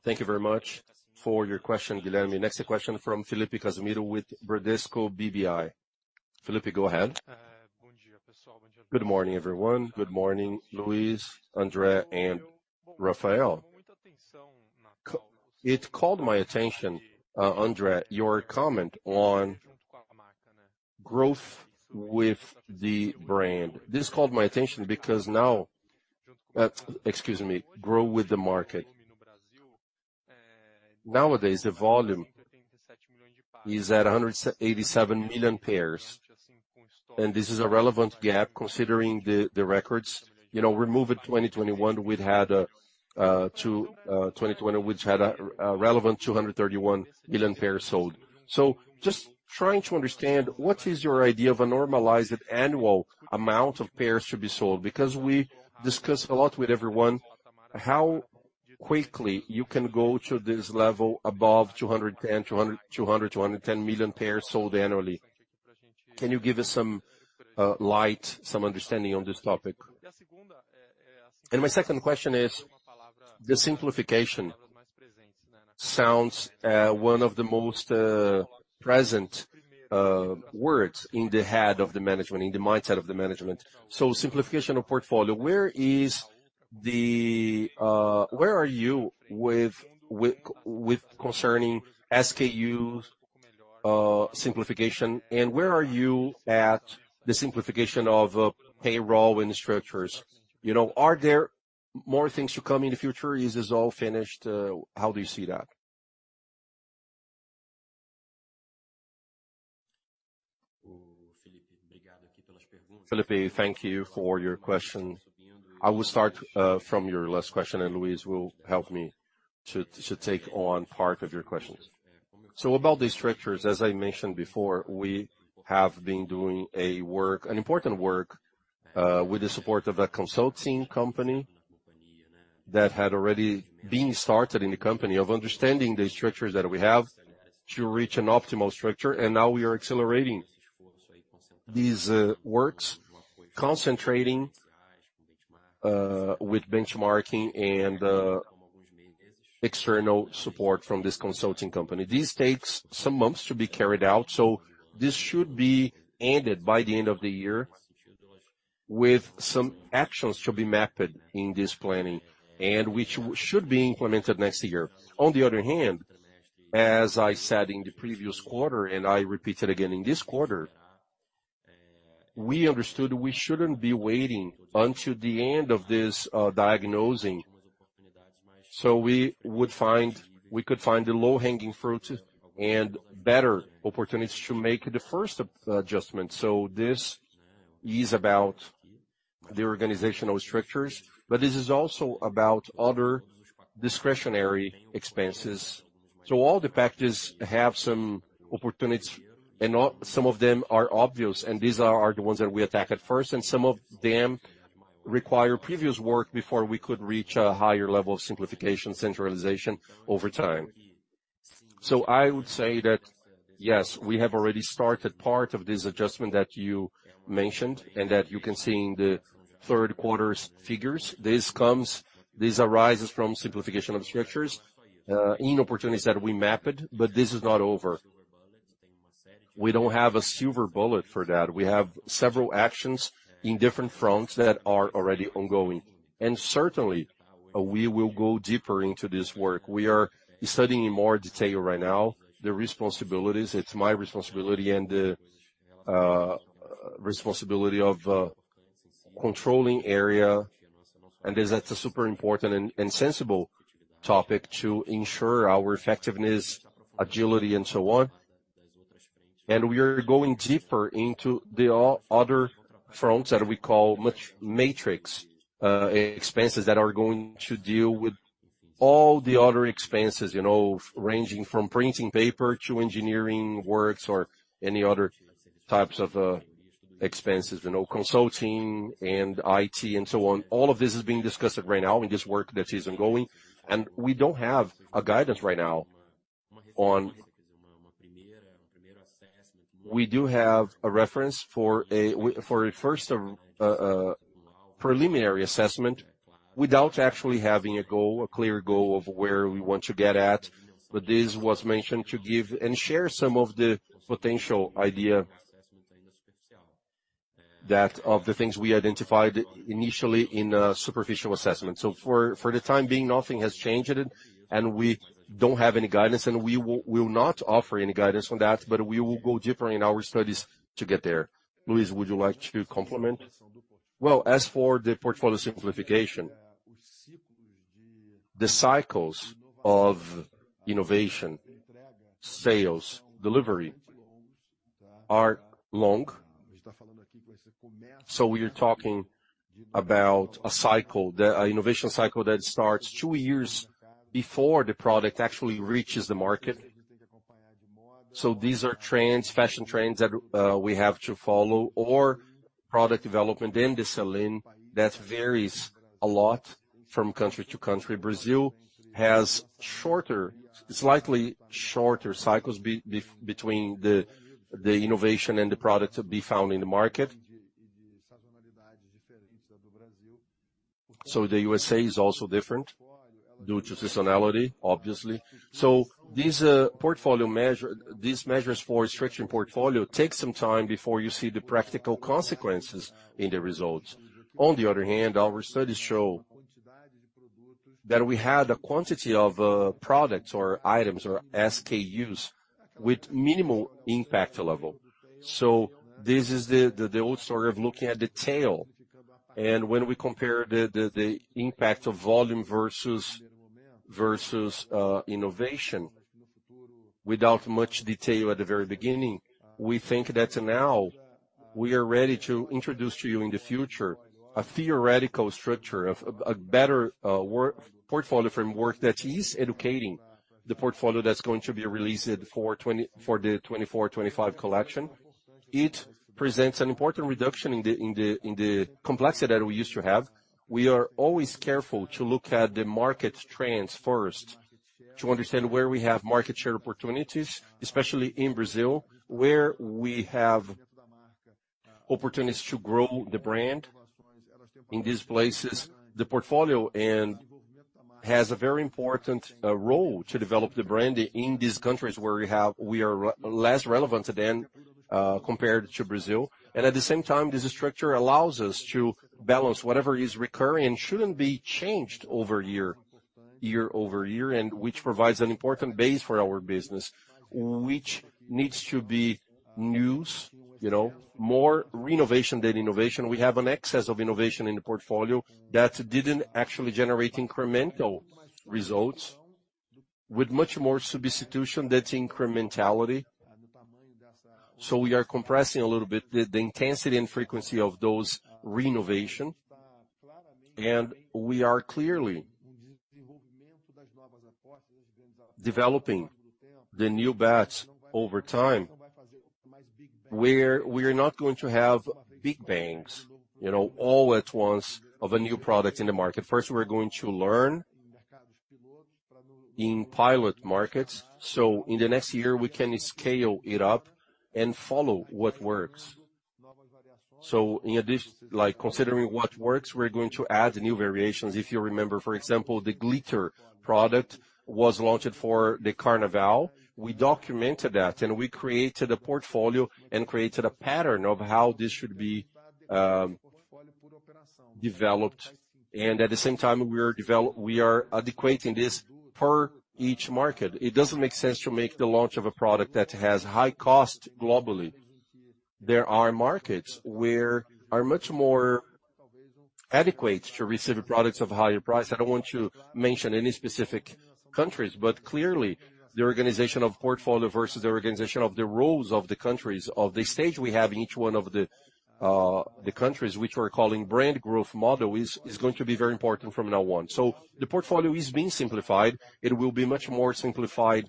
Thank you very much for your question, Guilherme. Next question from Felipe Cassimiro with Bradesco BBI. Felipe, go ahead. Good morning, everyone. Good morning, Luiz, André, and Rafael. It called my attention, André, your comment on growth with the brand. This called my attention because now, excuse me, grow with the market. Nowadays, the volume is at 187 million pairs, and this is a relevant gap considering the records. You know, removing 2021, we'd had a 2020, which had a relevant 231 million pairs sold. So just trying to understand, what is your idea of a normalized annual amount of pairs to be sold? Because we discuss a lot with everyone, how quickly you can go to this level above 210, 200, 200, 210 million pairs sold annually. Can you give us some light, some understanding on this topic? My second question is, the simplification sounds one of the most present words in the head of the management, in the mindset of the management. So simplification of portfolio, where is the—where are you with concerning SKU simplification, and where are you at the simplification of payroll and structures? You know, are there more things to come in the future? Is this all finished? How do you see that? Felipe, thank you for your question. I will start from your last question, and Luiz will help me to take on part of your questions. So about the structures, as I mentioned before, we have been doing a work, an important work, with the support of a consulting company that had already been started in the company of understanding the structures that we have to reach an optimal structure, and now we are accelerating these works, concentrating with benchmarking and external support from this consulting company. This takes some months to be carried out, so this should be ended by the end of the year, with some actions to be mapped in this planning and which should be implemented next year. On the other hand, as I said in the previous quarter, and I repeat it again in this quarter, we understood we shouldn't be waiting until the end of this diagnosis, so we could find the low-hanging fruits and better opportunities to make the first adjustment. So this is about the organizational structures, but this is also about other discretionary expenses. So all the factors have some opportunities, and some of them are obvious, and these are the ones that we attack at first, and some of them require previous work before we could reach a higher level of simplification, centralization over time. So I would say that, yes, we have already started part of this adjustment that you mentioned and that you can see in the third quarter's figures. This arises from simplification of structures, in opportunities that we mapped, but this is not over. We don't have a silver bullet for that. We have several actions in different fronts that are already ongoing, and certainly, we will go deeper into this work. We are studying in more detail right now, the responsibilities. It's my responsibility and the responsibility of controlling area, and that's a super important and sensible topic to ensure our effectiveness, agility, and so on. And we are going deeper into the other fronts that we call much matrix expenses that are going to deal with all the other expenses, you know, ranging from printing paper to engineering works or any other types of expenses, you know, consulting and IT and so on. All of this is being discussed right now in this work that is ongoing, and we don't have a guidance right now on... We do have a reference for a first, preliminary assessment, without actually having a goal, a clear goal of where we want to get at, but this was mentioned to give and share some of the potential idea that of the things we identified initially in a superficial assessment. So for the time being, nothing has changed, and we don't have any guidance, and we will not offer any guidance on that, but we will go deeper in our studies to get there. Luiz, would you like to comment? Well, as for the portfolio simplification, the cycles of innovation, sales, delivery are long. So we are talking about a cycle that an innovation cycle that starts two years before the product actually reaches the market. So these are trends, fashion trends that we have to follow, or product development in the sell-in that varies a lot from country to country. Brazil has shorter, slightly shorter cycles between the innovation and the product to be found in the market. So the USA is also different due to seasonality, obviously. So these portfolio measures for structuring portfolio take some time before you see the practical consequences in the results. On the other hand, our studies show that we had a quantity of products or items or SKUs with minimal impact level. So this is the old story of looking at detail. When we compare the impact of volume versus innovation, without much detail at the very beginning, we think that now we are ready to introduce to you in the future a theoretical structure of a better work portfolio framework that is educating the portfolio that's going to be released for the 2024, 2025 collection. It presents an important reduction in the complexity that we used to have. We are always careful to look at the market trends first, to understand where we have market share opportunities, especially in Brazil, where we have opportunities to grow the brand. In these places, the portfolio and has a very important role to develop the brand in these countries where we are relatively less relevant than compared to Brazil. At the same time, this structure allows us to balance whatever is recurring and shouldn't be changed year over year, and which provides an important base for our business, which needs to be new, you know, more renovation than innovation. We have an excess of innovation in the portfolio that didn't actually generate incremental results, with much more substitution than incrementality. So we are compressing a little bit the intensity and frequency of those renovations, and we are clearly developing the new batch over time, where we are not going to have big bangs, you know, all at once of a new product in the market. First, we're going to learn in pilot markets, so in the next year, we can scale it up and follow what works. So in addition, like considering what works, we're going to add new variations. If you remember, for example, the glitter product was launched for the Carnaval. We documented that, and we created a portfolio and created a pattern of how this should be developed. And at the same time, we are adequately this per each market. It doesn't make sense to make the launch of a product that has high cost globally. There are markets where are much more adequate to receive products of higher price. I don't want to mention any specific countries, but clearly, the organization of portfolio versus the organization of the roles of the countries, of the stage we have in each one of the countries which we're calling brand growth model, is going to be very important from now on. So the portfolio is being simplified. It will be much more simplified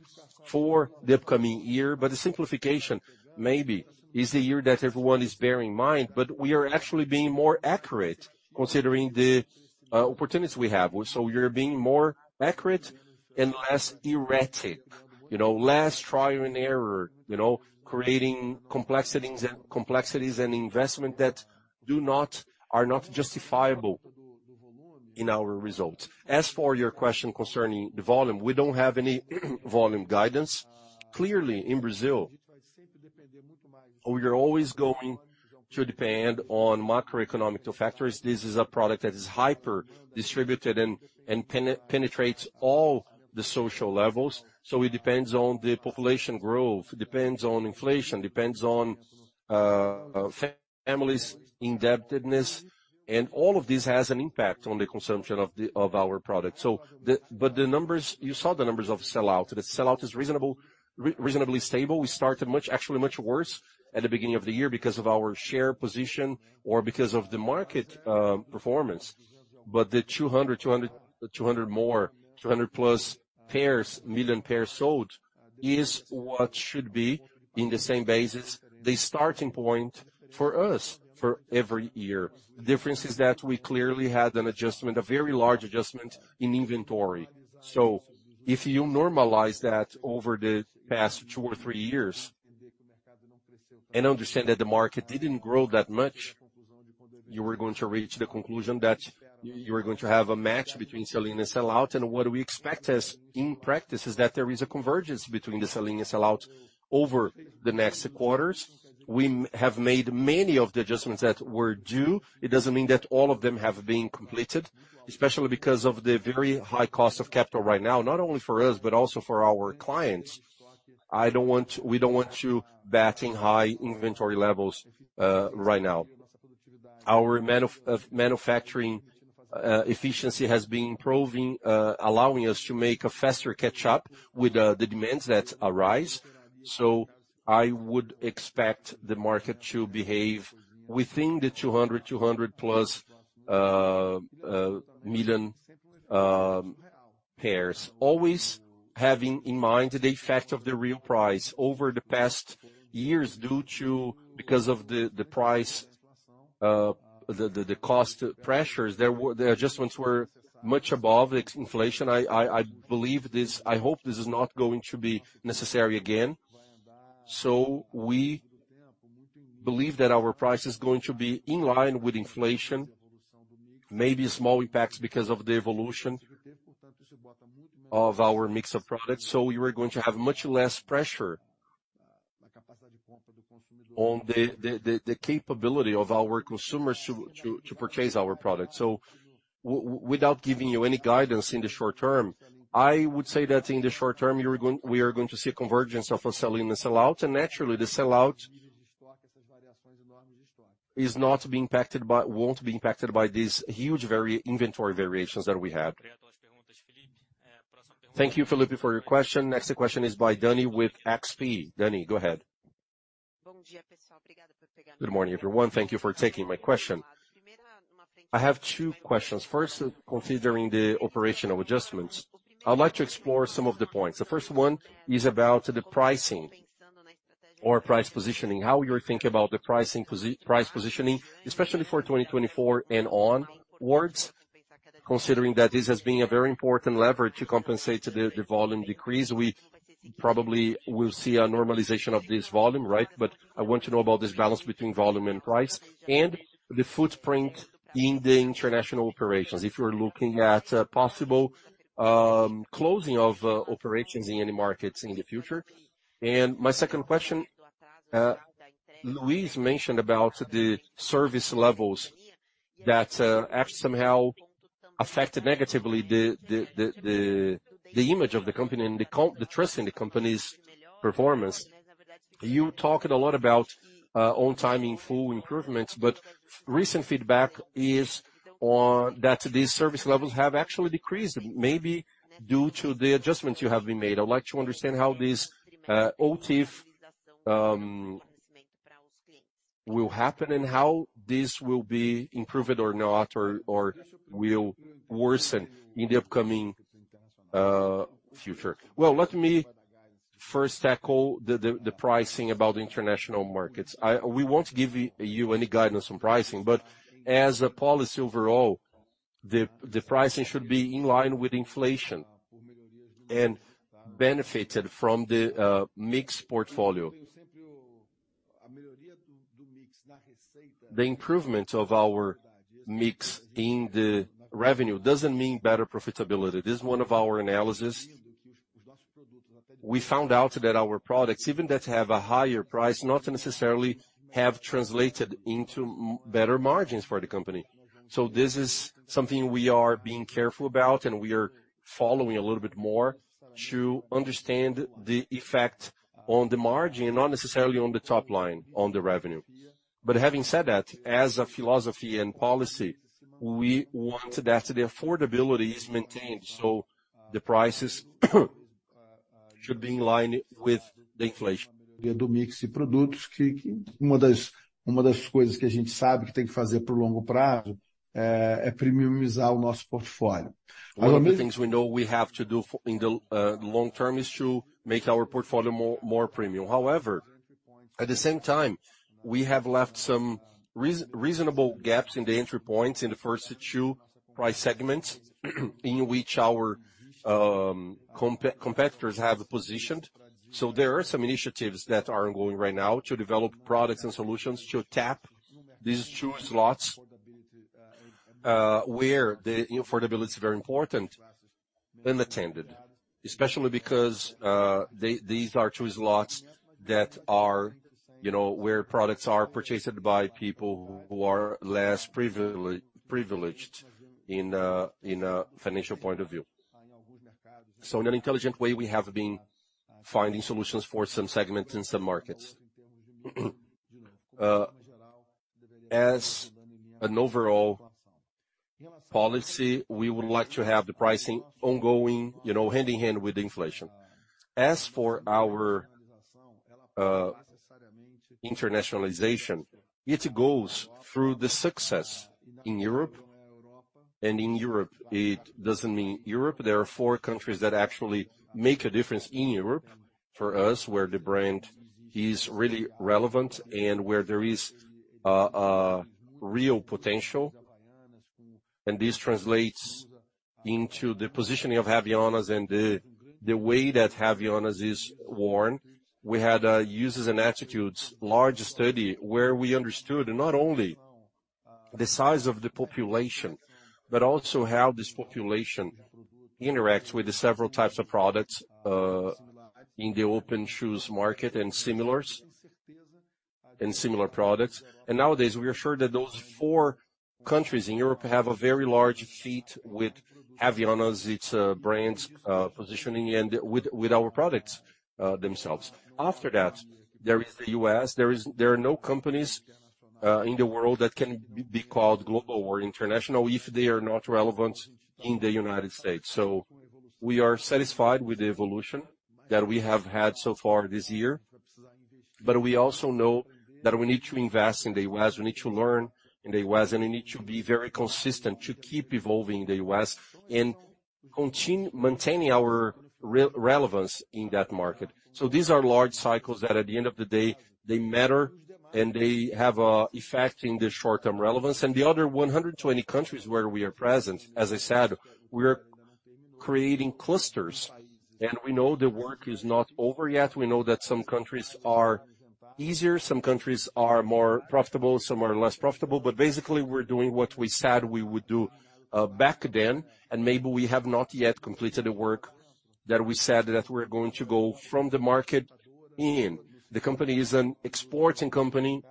for the upcoming year, but the simplification maybe is the year that everyone is bearing in mind. But we are actually being more accurate considering the opportunities we have. So we're being more accurate and less erratic, you know, less trial and error, you know, creating complexities and complexities and investment that are not justifiable in our results. As for your question concerning the volume, we don't have any volume guidance. Clearly, in Brazil, we are always going to depend on macroeconomic factors. This is a product that is hyper-distributed and penetrates all the social levels, so it depends on the population growth, depends on inflation, depends on families' indebtedness, and all of this has an impact on the consumption of our product. So but the numbers, you saw the numbers of sell-out. The sell-out is reasonable, reasonably stable. We started much, actually, much worse at the beginning of the year because of our share position or because of the market performance. But the 200 million pairs sold is what should be, in the same basis, the starting point for us for every year. The difference is that we clearly had an adjustment, a very large adjustment in inventory. So if you normalize that over the past two or three years and understand that the market didn't grow that much, you are going to reach the conclusion that you are going to have a match between sell-in and sell out. And what we expect as in practice is that there is a convergence between the sell-in and sell out over the next quarters. We have made many of the adjustments that were due. It doesn't mean that all of them have been completed, especially because of the very high cost of capital right now, not only for us, but also for our clients. I don't want—we don't want to build up high inventory levels right now. Our manufacturing efficiency has been improving, allowing us to make a faster catch up with the demands that arise. I would expect the market to behave within the 200, 200-plus million pairs. Always having in mind the effect of the real price over the past years, due to because of the price, the cost pressures, there were the adjustments were much above the inflation. I believe this—I hope this is not going to be necessary again. So we believe that our price is going to be in line with inflation, maybe small impacts because of the evolution of our mix of products. So we are going to have much less pressure on the capability of our consumers to purchase our products. So without giving you any guidance in the short term, I would say that in the short term, we are going to see a convergence of a sell-in and sell-out. And naturally, the sell-out is not being impacted by—won't be impacted by these huge inventory variations that we have. Thank you, Felipe, for your question. Next question is by Danny with XP. Danny, go ahead. Good morning, everyone. Thank you for taking my question. I have two questions. First, considering the operational adjustments, I'd like to explore some of the points. The first one is about the pricing or price positioning. How you're thinking about the pricing price positioning, especially for 2024 and onwards, considering that this has been a very important lever to compensate the volume decrease. We probably will see a normalization of this volume, right? But I want to know about this balance between volume and price, and the footprint in the international operations, if you're looking at a possible closing of operations in any markets in the future. And my second question, Luiz mentioned about the service levels that have somehow affected negatively the image of the company and the trust in the company's performance. You talked a lot about on time in full improvements, but recent feedback is that these service levels have actually decreased, maybe due to the adjustments you have been made. I'd like to understand how this OTIF will happen, and how this will be improved or not, or will worsen in the upcoming future. Well, let me first tackle the pricing about the international markets. We won't give you any guidance on pricing, but as a policy overall, the pricing should be in line with inflation and benefited from the mix portfolio. The improvement of our mix in the revenue doesn't mean better profitability. This is one of our analysis. We found out that our products, even that have a higher price, not necessarily have translated into better margins for the company. So this is something we are being careful about, and we are following a little bit more to understand the effect on the margin, and not necessarily on the top line, on the revenue. But having said that, as a philosophy and policy, we want that the affordability is maintained, so the prices should be in line with the inflation. One of the things we know we have to do in the long term is to make our portfolio more, more premium. However, at the same time, we have left some reasonable gaps in the entry points in the first two price segments, in which our competitors have positioned. So there are some initiatives that are ongoing right now to develop products and solutions to tap these two slots, where the affordability is very important and attended. Especially because these are two slots that are, you know, where products are purchased by people who are less privileged in a financial point of view. So in an intelligent way, we have been finding solutions for some segments in some markets. As an overall policy, we would like to have the pricing ongoing, you know, hand in hand with inflation. As for our internationalization, it goes through the success in Europe. And in Europe, it doesn't mean Europe. There are four countries that actually make a difference in Europe for us, where the brand is really relevant and where there is a real potential, and this translates into the positioning of Havaianas and the way that Havaianas is worn. We had a usage and attitudes large study, where we understood not only the size of the population, but also how this population interacts with the several types of products in the open shoes market and similars, and similar products. Nowadays, we are sure that those four countries in Europe have a very large fit with Havaianas, its brands positioning, and with our products themselves. After that, there is the U.S. There are no companies in the world that can be called global or international if they are not relevant in the United States. We are satisfied with the evolution that we have had so far this year, but we also know that we need to invest in the U.S., we need to learn in the U.S., and we need to be very consistent to keep evolving in the US and continue maintaining our relevance in that market. These are large cycles that at the end of the day, they matter, and they have an effect in the short-term relevance. The other 120 countries where we are present, as I said, we are creating clusters, and we know the work is not over yet. We know that some countries are easier, some countries are more profitable, some are less profitable. But basically, we're doing what we said we would do back then, and maybe we have not yet completed the work that we said that we're going to go from the market in. The company is an exporting company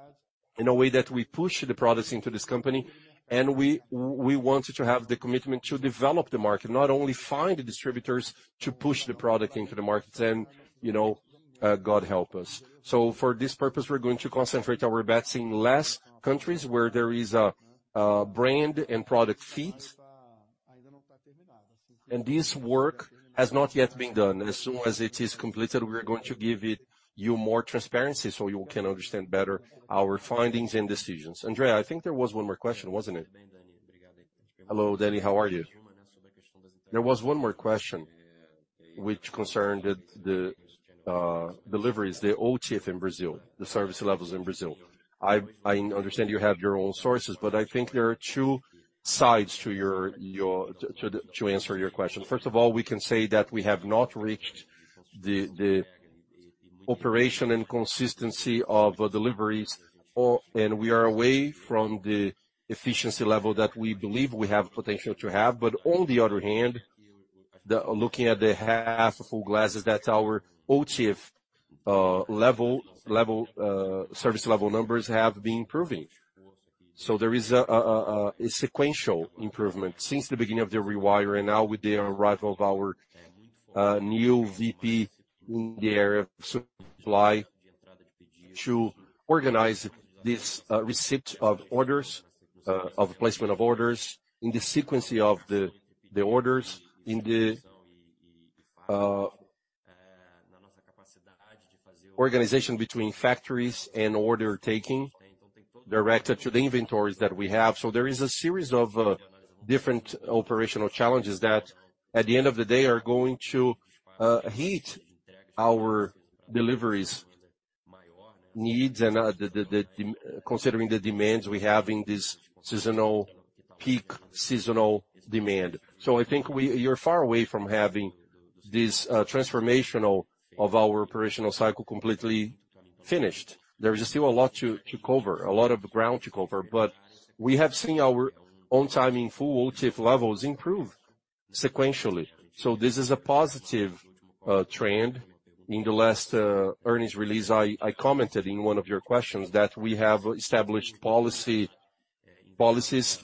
in a way that we push the products into this company, and we want to have the commitment to develop the market, not only find the distributors to push the product into the markets and, you know, God help us. So for this purpose, we're going to concentrate our bets in less countries where there is a brand and product fit. And this work has not yet been done. As soon as it is completed, we are going to give you more transparency so you can understand better our findings and decisions. André, I think there was one more question, wasn't it? Hello, Danny, how are you? There was one more question which concerned the deliveries, the OTIF in Brazil, the service levels in Brazil. I understand you have your own sources, but I think there are two sides to your to answer your question. First of all, we can say that we have not reached the operation and consistency of deliveries, and we are away from the efficiency level that we believe we have potential to have. But on the other hand, looking at the half full glasses, that's our OTIF level service level numbers have been improving. So there is a sequential improvement since the beginning of the rewire and now with the arrival of our new VP in the area of supply to organize this receipt of orders, of placement of orders, in the sequence of the orders, in the organization between factories and order-taking directed to the inventories that we have. So there is a series of different operational challenges that, at the end of the day, are going to hit our deliveries needs and, considering the demands we have in this seasonal peak seasonal demand. So I think you're far away from having this transformation of our operational cycle completely finished. There is still a lot to cover, a lot of ground to cover, but we have seen our on-time in-full OTIF levels improve sequentially. So this is a positive, trend. In the last, earnings release, I, I commented in one of your questions that we have established policy, policies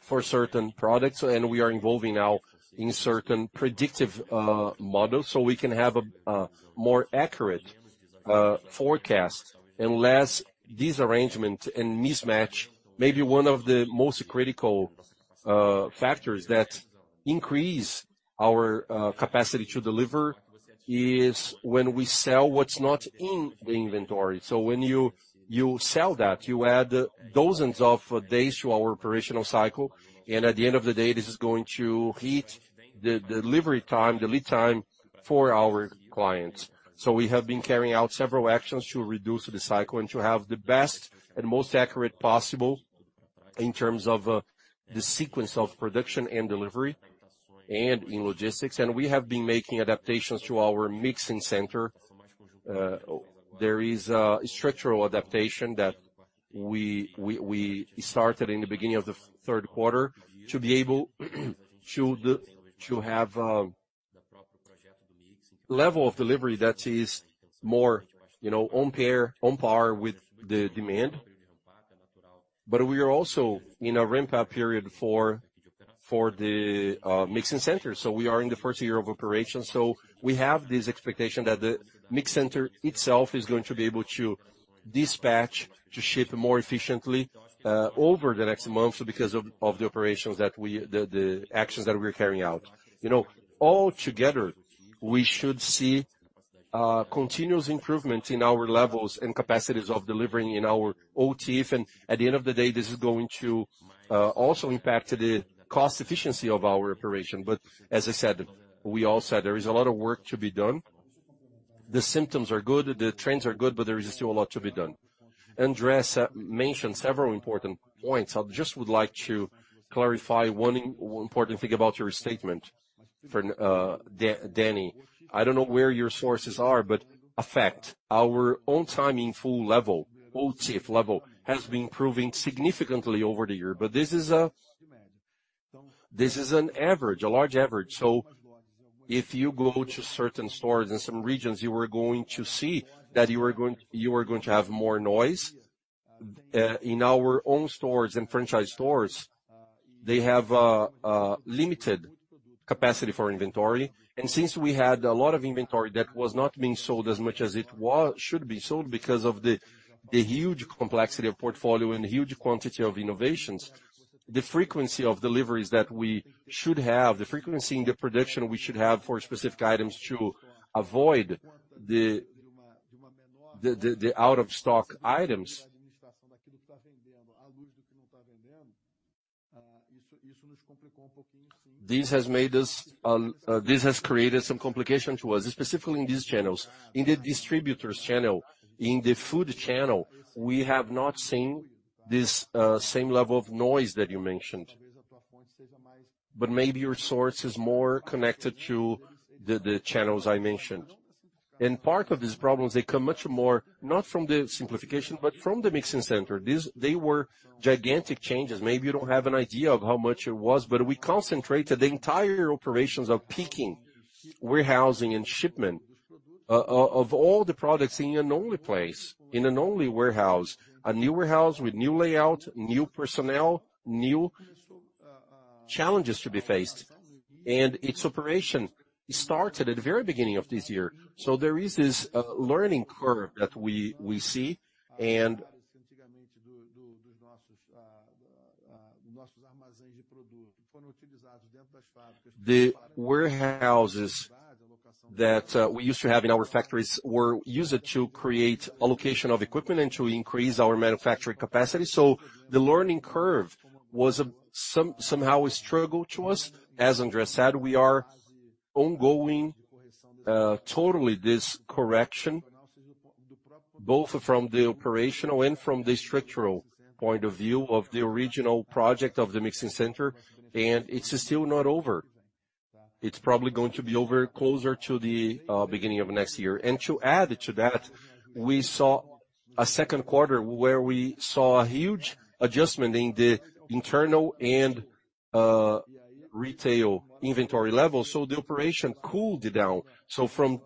for certain products, and we are involving now in certain predictive, models, so we can have a, a more accurate, forecast and less disarrangement and mismatch. Maybe one of the most critical, factors that increase our, capacity to deliver is when we sell what's not in the inventory. So when you, you sell that, you add dozens of days to our operational cycle, and at the end of the day, this is going to hit the delivery time, the lead time for our clients. So we have been carrying out several actions to reduce the cycle and to have the best and most accurate possible in terms of, the sequence of production and delivery and in logistics. We have been making adaptations to our mixing center. There is a structural adaptation that we started in the beginning of the third quarter to be able to have a level of delivery that is more, you know, on par with the demand. But we are also in a ramp-up period for the mixing center, so we are in the first year of operation. So we have this expectation that the mixing center itself is going to be able to dispatch, to ship more efficiently over the next months because of the actions that we're carrying out. You know, all together, we should see continuous improvement in our levels and capacities of delivering in our OTIF, and at the end of the day, this is going to also impact the cost efficiency of our operation. But as I said, we all said, there is a lot of work to be done. The symptoms are good, the trends are good, but there is still a lot to be done. Andreas mentioned several important points. I just would like to clarify one important thing about your statement for Danny. I don't know where your sources are, but in fact, our own on-time in-full level, OTIF level, has been improving significantly over the year. But this is an average, a large average. So if you go to certain stores in some regions, you are going to see that you are going to have more noise. In our own stores and franchise stores, they have a limited capacity for inventory, and since we had a lot of inventory that was not being sold as much as it should be sold, because of the huge complexity of portfolio and huge quantity of innovations, the frequency of deliveries that we should have, the frequency and the prediction we should have for specific items to avoid the out of stock items. This has created some complications to us, specifically in these channels. In the distributors channel, in the food channel, we have not seen this same level of noise that you mentioned. But maybe your source is more connected to the channels I mentioned. And part of these problems, they come much more, not from the simplification, but from the mixing center. These were gigantic changes. Maybe you don't have an idea of how much it was, but we concentrated the entire operations of picking, warehousing, and shipment of all the products in an only place, in an only warehouse. A new warehouse with new layout, new personnel, new challenges to be faced. And its operation started at the very beginning of this year. So there is this learning curve that we see. And the warehouses that we used to have in our factories were used to create allocation of equipment and to increase our manufacturing capacity. So the learning curve was somehow a struggle to us. As André said, we are ongoing, totally this correction, both from the operational and from the structural point of view of the original project of the mixing center, and it's still not over. It's probably going to be over closer to the beginning of next year. To add to that, we saw a second quarter where we saw a huge adjustment in the internal and retail inventory level, so the operation cooled down. From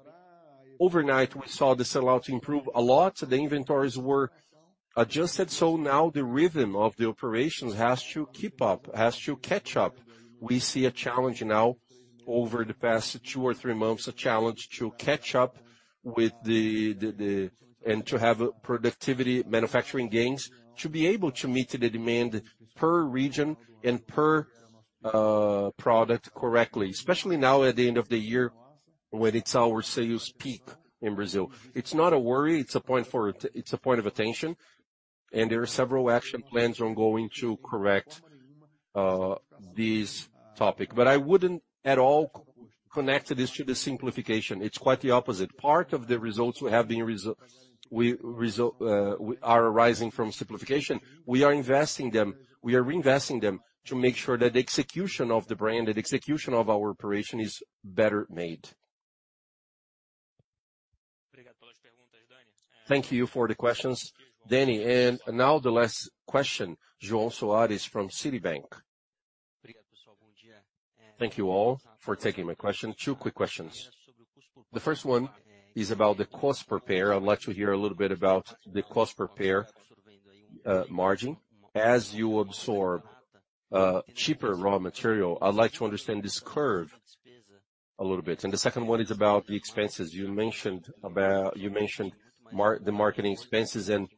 overnight, we saw the sell-out improve a lot. The inventories were adjusted, so now the rhythm of the operations has to keep up, has to catch up. We see a challenge now over the past two or three months, a challenge to catch up with the and to have productivity, manufacturing gains, to be able to meet the demand per region and per product correctly, especially now at the end of the year, when it's our sales peak in Brazil. It's not a worry, it's a point for.... It's a point of attention, and there are several action plans ongoing to correct this topic. But I wouldn't at all connect this to the simplification. It's quite the opposite. Part of the results we have been are arising from simplification. We are reinvesting them to make sure that the execution of the brand, the execution of our operation is better made. Thank you for the questions, Danny. And now the last question, João Soares from Citibank. Thank you all for taking my question. Two quick questions. The first one is about the cost per pair. I'd like to hear a little bit about the cost per pair, margin. As you absorb cheaper raw material, I'd like to understand this curve a little bit. And the second one is about the expenses. You mentioned about you mentioned the marketing expenses and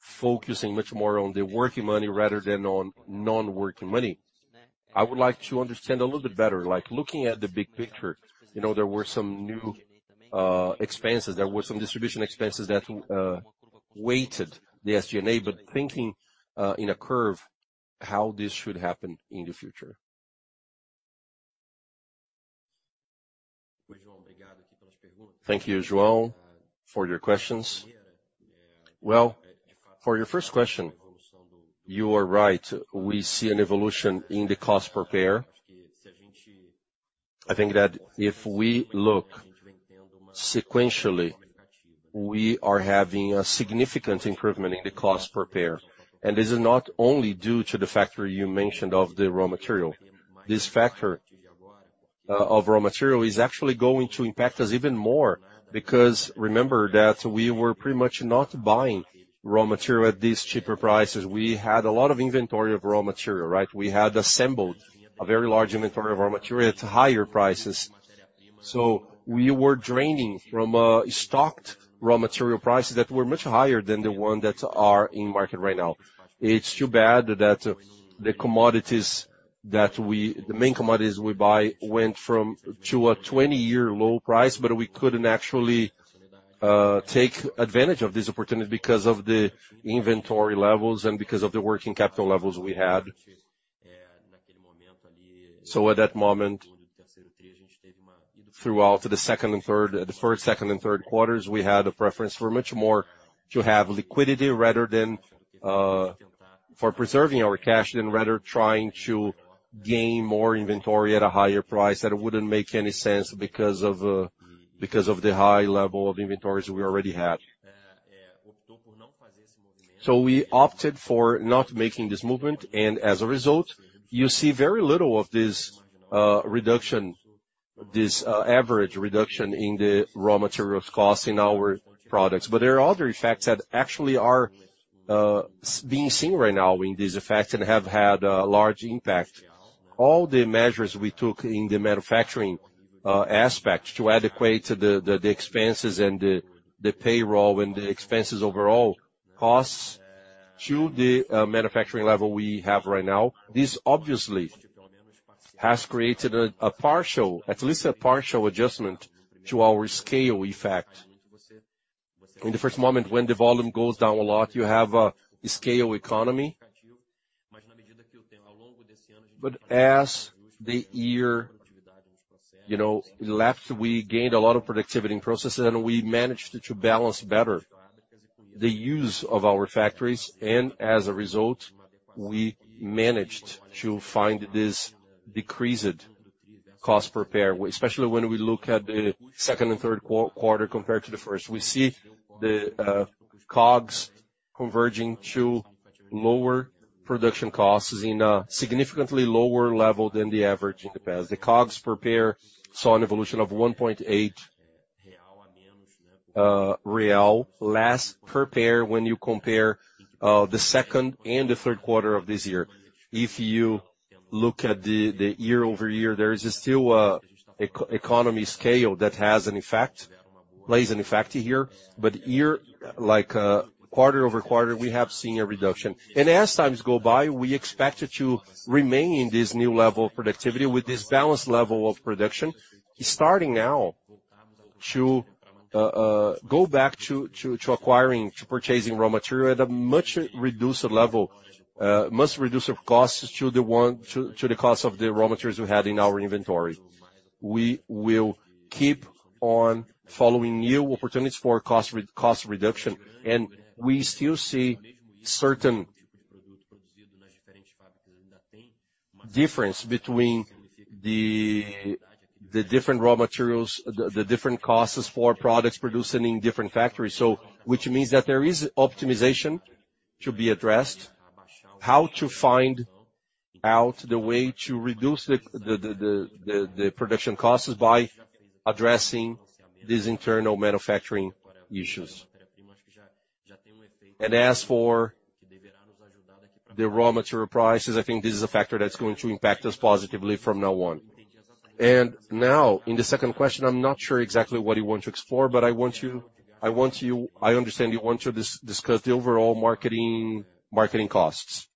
focusing much more on the working money rather than on non-working money. I would like to understand a little bit better, like, looking at the big picture. You know, there were some new expenses, there were some distribution expenses that weighed the SG&A, but thinking in a curve, how this should happen in the future? Thank you, João, for your questions. Well, for your first question, you are right. We see an evolution in the cost per pair. I think that if we look sequentially, we are having a significant improvement in the cost per pair, and this is not only due to the factor you mentioned of the raw material. This factor of raw material is actually going to impact us even more, because remember that we were pretty much not buying raw material at these cheaper prices. We had a lot of inventory of raw material, right? We had assembled a very large inventory of raw material at higher prices. So we were draining from stocked raw material prices that were much higher than the ones that are in market right now. It's too bad that the main commodities we buy went to a 20-year low price, but we couldn't actually take advantage of this opportunity because of the inventory levels and because of the working capital levels we had. So at that moment, throughout the first, second and third quarters, we had a preference for much more to have liquidity rather than preserving our cash rather than trying to gain more inventory at a higher price. That it wouldn't make any sense because of the high level of inventories we already had. So we opted for not making this movement, and as a result, you see very little of this reduction, this average reduction in the raw materials costs in our products. But there are other effects that actually are being seen right now in these effects and have had a large impact. All the measures we took in the manufacturing aspect to adequate the expenses and the payroll and the expenses overall, costs to the manufacturing level we have right now, this obviously has created a partial, at least a partial adjustment to our scale effect. In the first moment, when the volume goes down a lot, you have a scale economy. But as the year, you know, elapsed, we gained a lot of productivity in processes, and we managed to balance better the use of our factories, and as a result, we managed to find this decreased cost per pair. Especially when we look at the second and third quarter compared to the first. We see the COGS converging to lower production costs in a significantly lower level than the average in the past. The COGS per pair saw an evolution of 1.8 real less per pair when you compare the second and the third quarter of this year. If you look at the year-over-year, there is still an economies of scale that has an effect, plays an effect here. But year, like, quarter-over-quarter, we have seen a reduction. And as times go by, we expect it to remain in this new level of productivity with this balanced level of production, starting now to go back to acquiring to purchasing raw material at a much reduced level. Much reduced costs to the ones to the cost of the raw materials we had in our inventory. We will keep on following new opportunities for cost reduction, and we still see certain difference between the different raw materials, the different costs for products produced in different factories. So which means that there is optimization to be addressed. How to find out the way to reduce the production costs is by addressing these internal manufacturing issues. And as for the raw material prices, I think this is a factor that's going to impact us positively from now on. And now, in the second question, I'm not sure exactly what you want to explore, but I understand you want to discuss the overall marketing costs.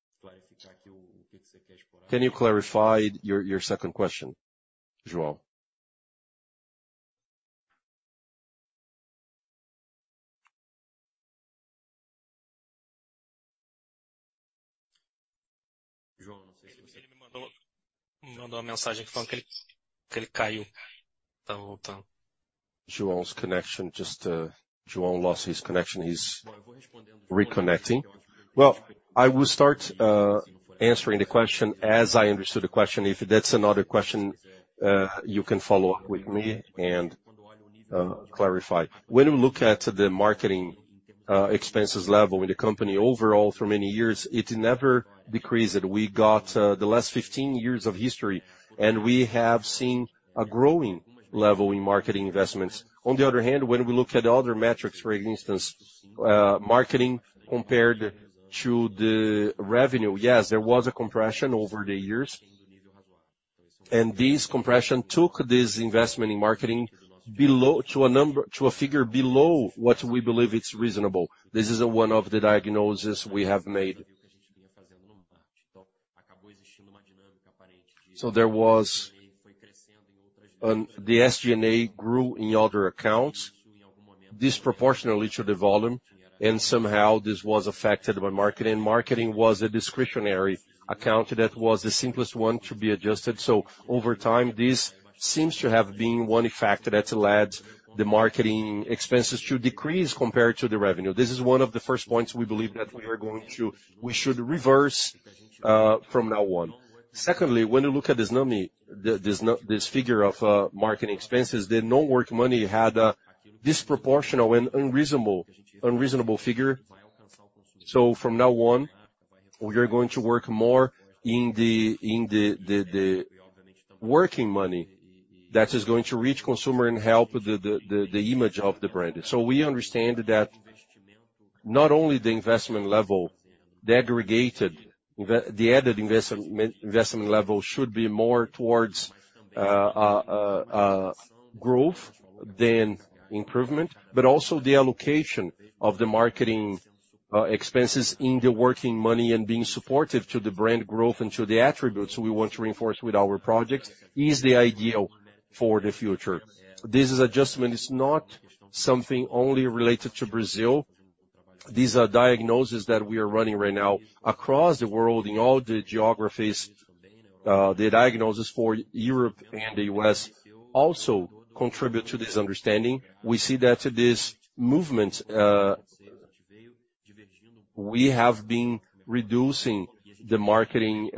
Can you clarify your second question, João? João's connection just... João lost his connection. He's reconnecting. Well, I will start answering the question as I understood the question. If that's another question, you can follow up with me and clarify. When you look at the marketing expenses level in the company overall, for many years, it never decreased. We got the last 15 years of history, and we have seen a growing level in marketing investments. On the other hand, when we look at other metrics, for instance, marketing compared to the revenue, yes, there was a compression over the years. And this compression took this investment in marketing below, to a number, to a figure below what we believe it's reasonable. This is one of the diagnoses we have made. So, the SG&A grew in other accounts, disproportionately to the volume, and somehow this was affected by marketing. Marketing was a discretionary account that was the simplest one to be adjusted. So over time, this seems to have been one factor that led the marketing expenses to decrease compared to the revenue. This is one of the first points we believe that we should reverse from now on. Secondly, when you look at this number, this figure of marketing expenses, the non-working money had a disproportionate and unreasonable figure. So from now on, we are going to work more in the working money that is going to reach consumer and help the image of the brand. So we understand that not only the investment level, the aggregated investment, the added investment level, should be more towards growth than improvement, but also the allocation of the marketing expenses in the working money and being supportive to the brand growth and to the attributes we want to reinforce with our project is the ideal for the future. This is adjustment. It's not something only related to Brazil. These are diagnoses that we are running right now across the world in all the geographies. The diagnoses for Europe and the U.S. also contribute to this understanding. We see that this movement, we have been reducing the marketing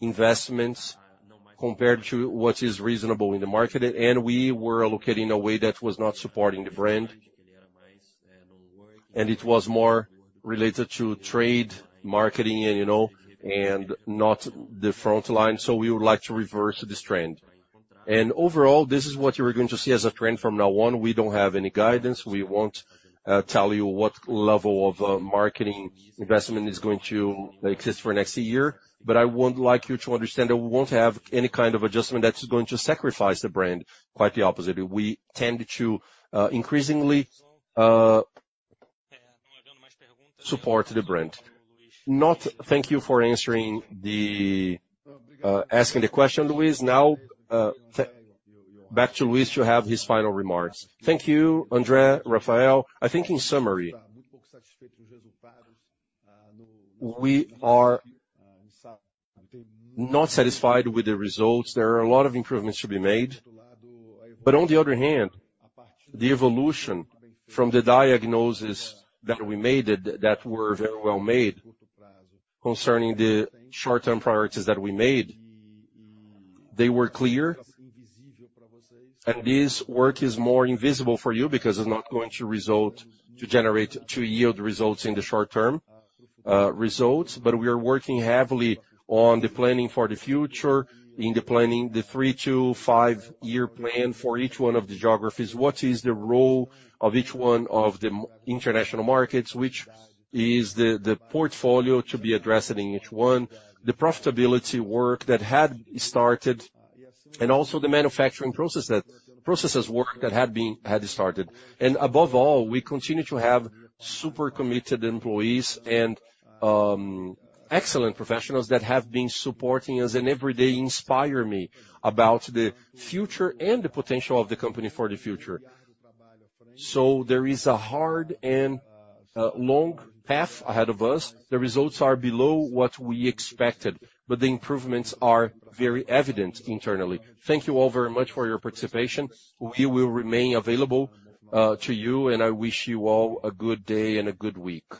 investments compared to what is reasonable in the market, and we were allocating in a way that was not supporting the brand. It was more related to trade, marketing, and, you know, and not the front line. So we would like to reverse this trend. And overall, this is what you are going to see as a trend from now on. We don't have any guidance. We won't tell you what level of marketing investment is going to exist for next year, but I would like you to understand that we won't have any kind of adjustment that is going to sacrifice the brand. Quite the opposite. We tend to increasingly support the brand. No, thank you for answering the question, Luiz. Now, back to Luiz to have his final remarks. Thank you, André, Rafael. I think in summary, we are not satisfied with the results. There are a lot of improvements to be made. But on the other hand, the evolution from the diagnoses that we made, that were very well made concerning the short-term priorities that we made, they were clear. And this work is more invisible for you because it's not going to result, to generate, to yield results in the short term, results. But we are working heavily on the planning for the future, in the planning the three- to five-year plan for each one of the geographies. What is the role of each one of the international markets? Which is the, the portfolio to be addressed in each one, the profitability work that had started, and also the manufacturing processes work that had started. Above all, we continue to have super committed employees and excellent professionals that have been supporting us, and every day inspire me about the future and the potential of the company for the future. There is a hard and long path ahead of us. The results are below what we expected, but the improvements are very evident internally. Thank you all very much for your participation. We will remain available to you, and I wish you all a good day and a good week.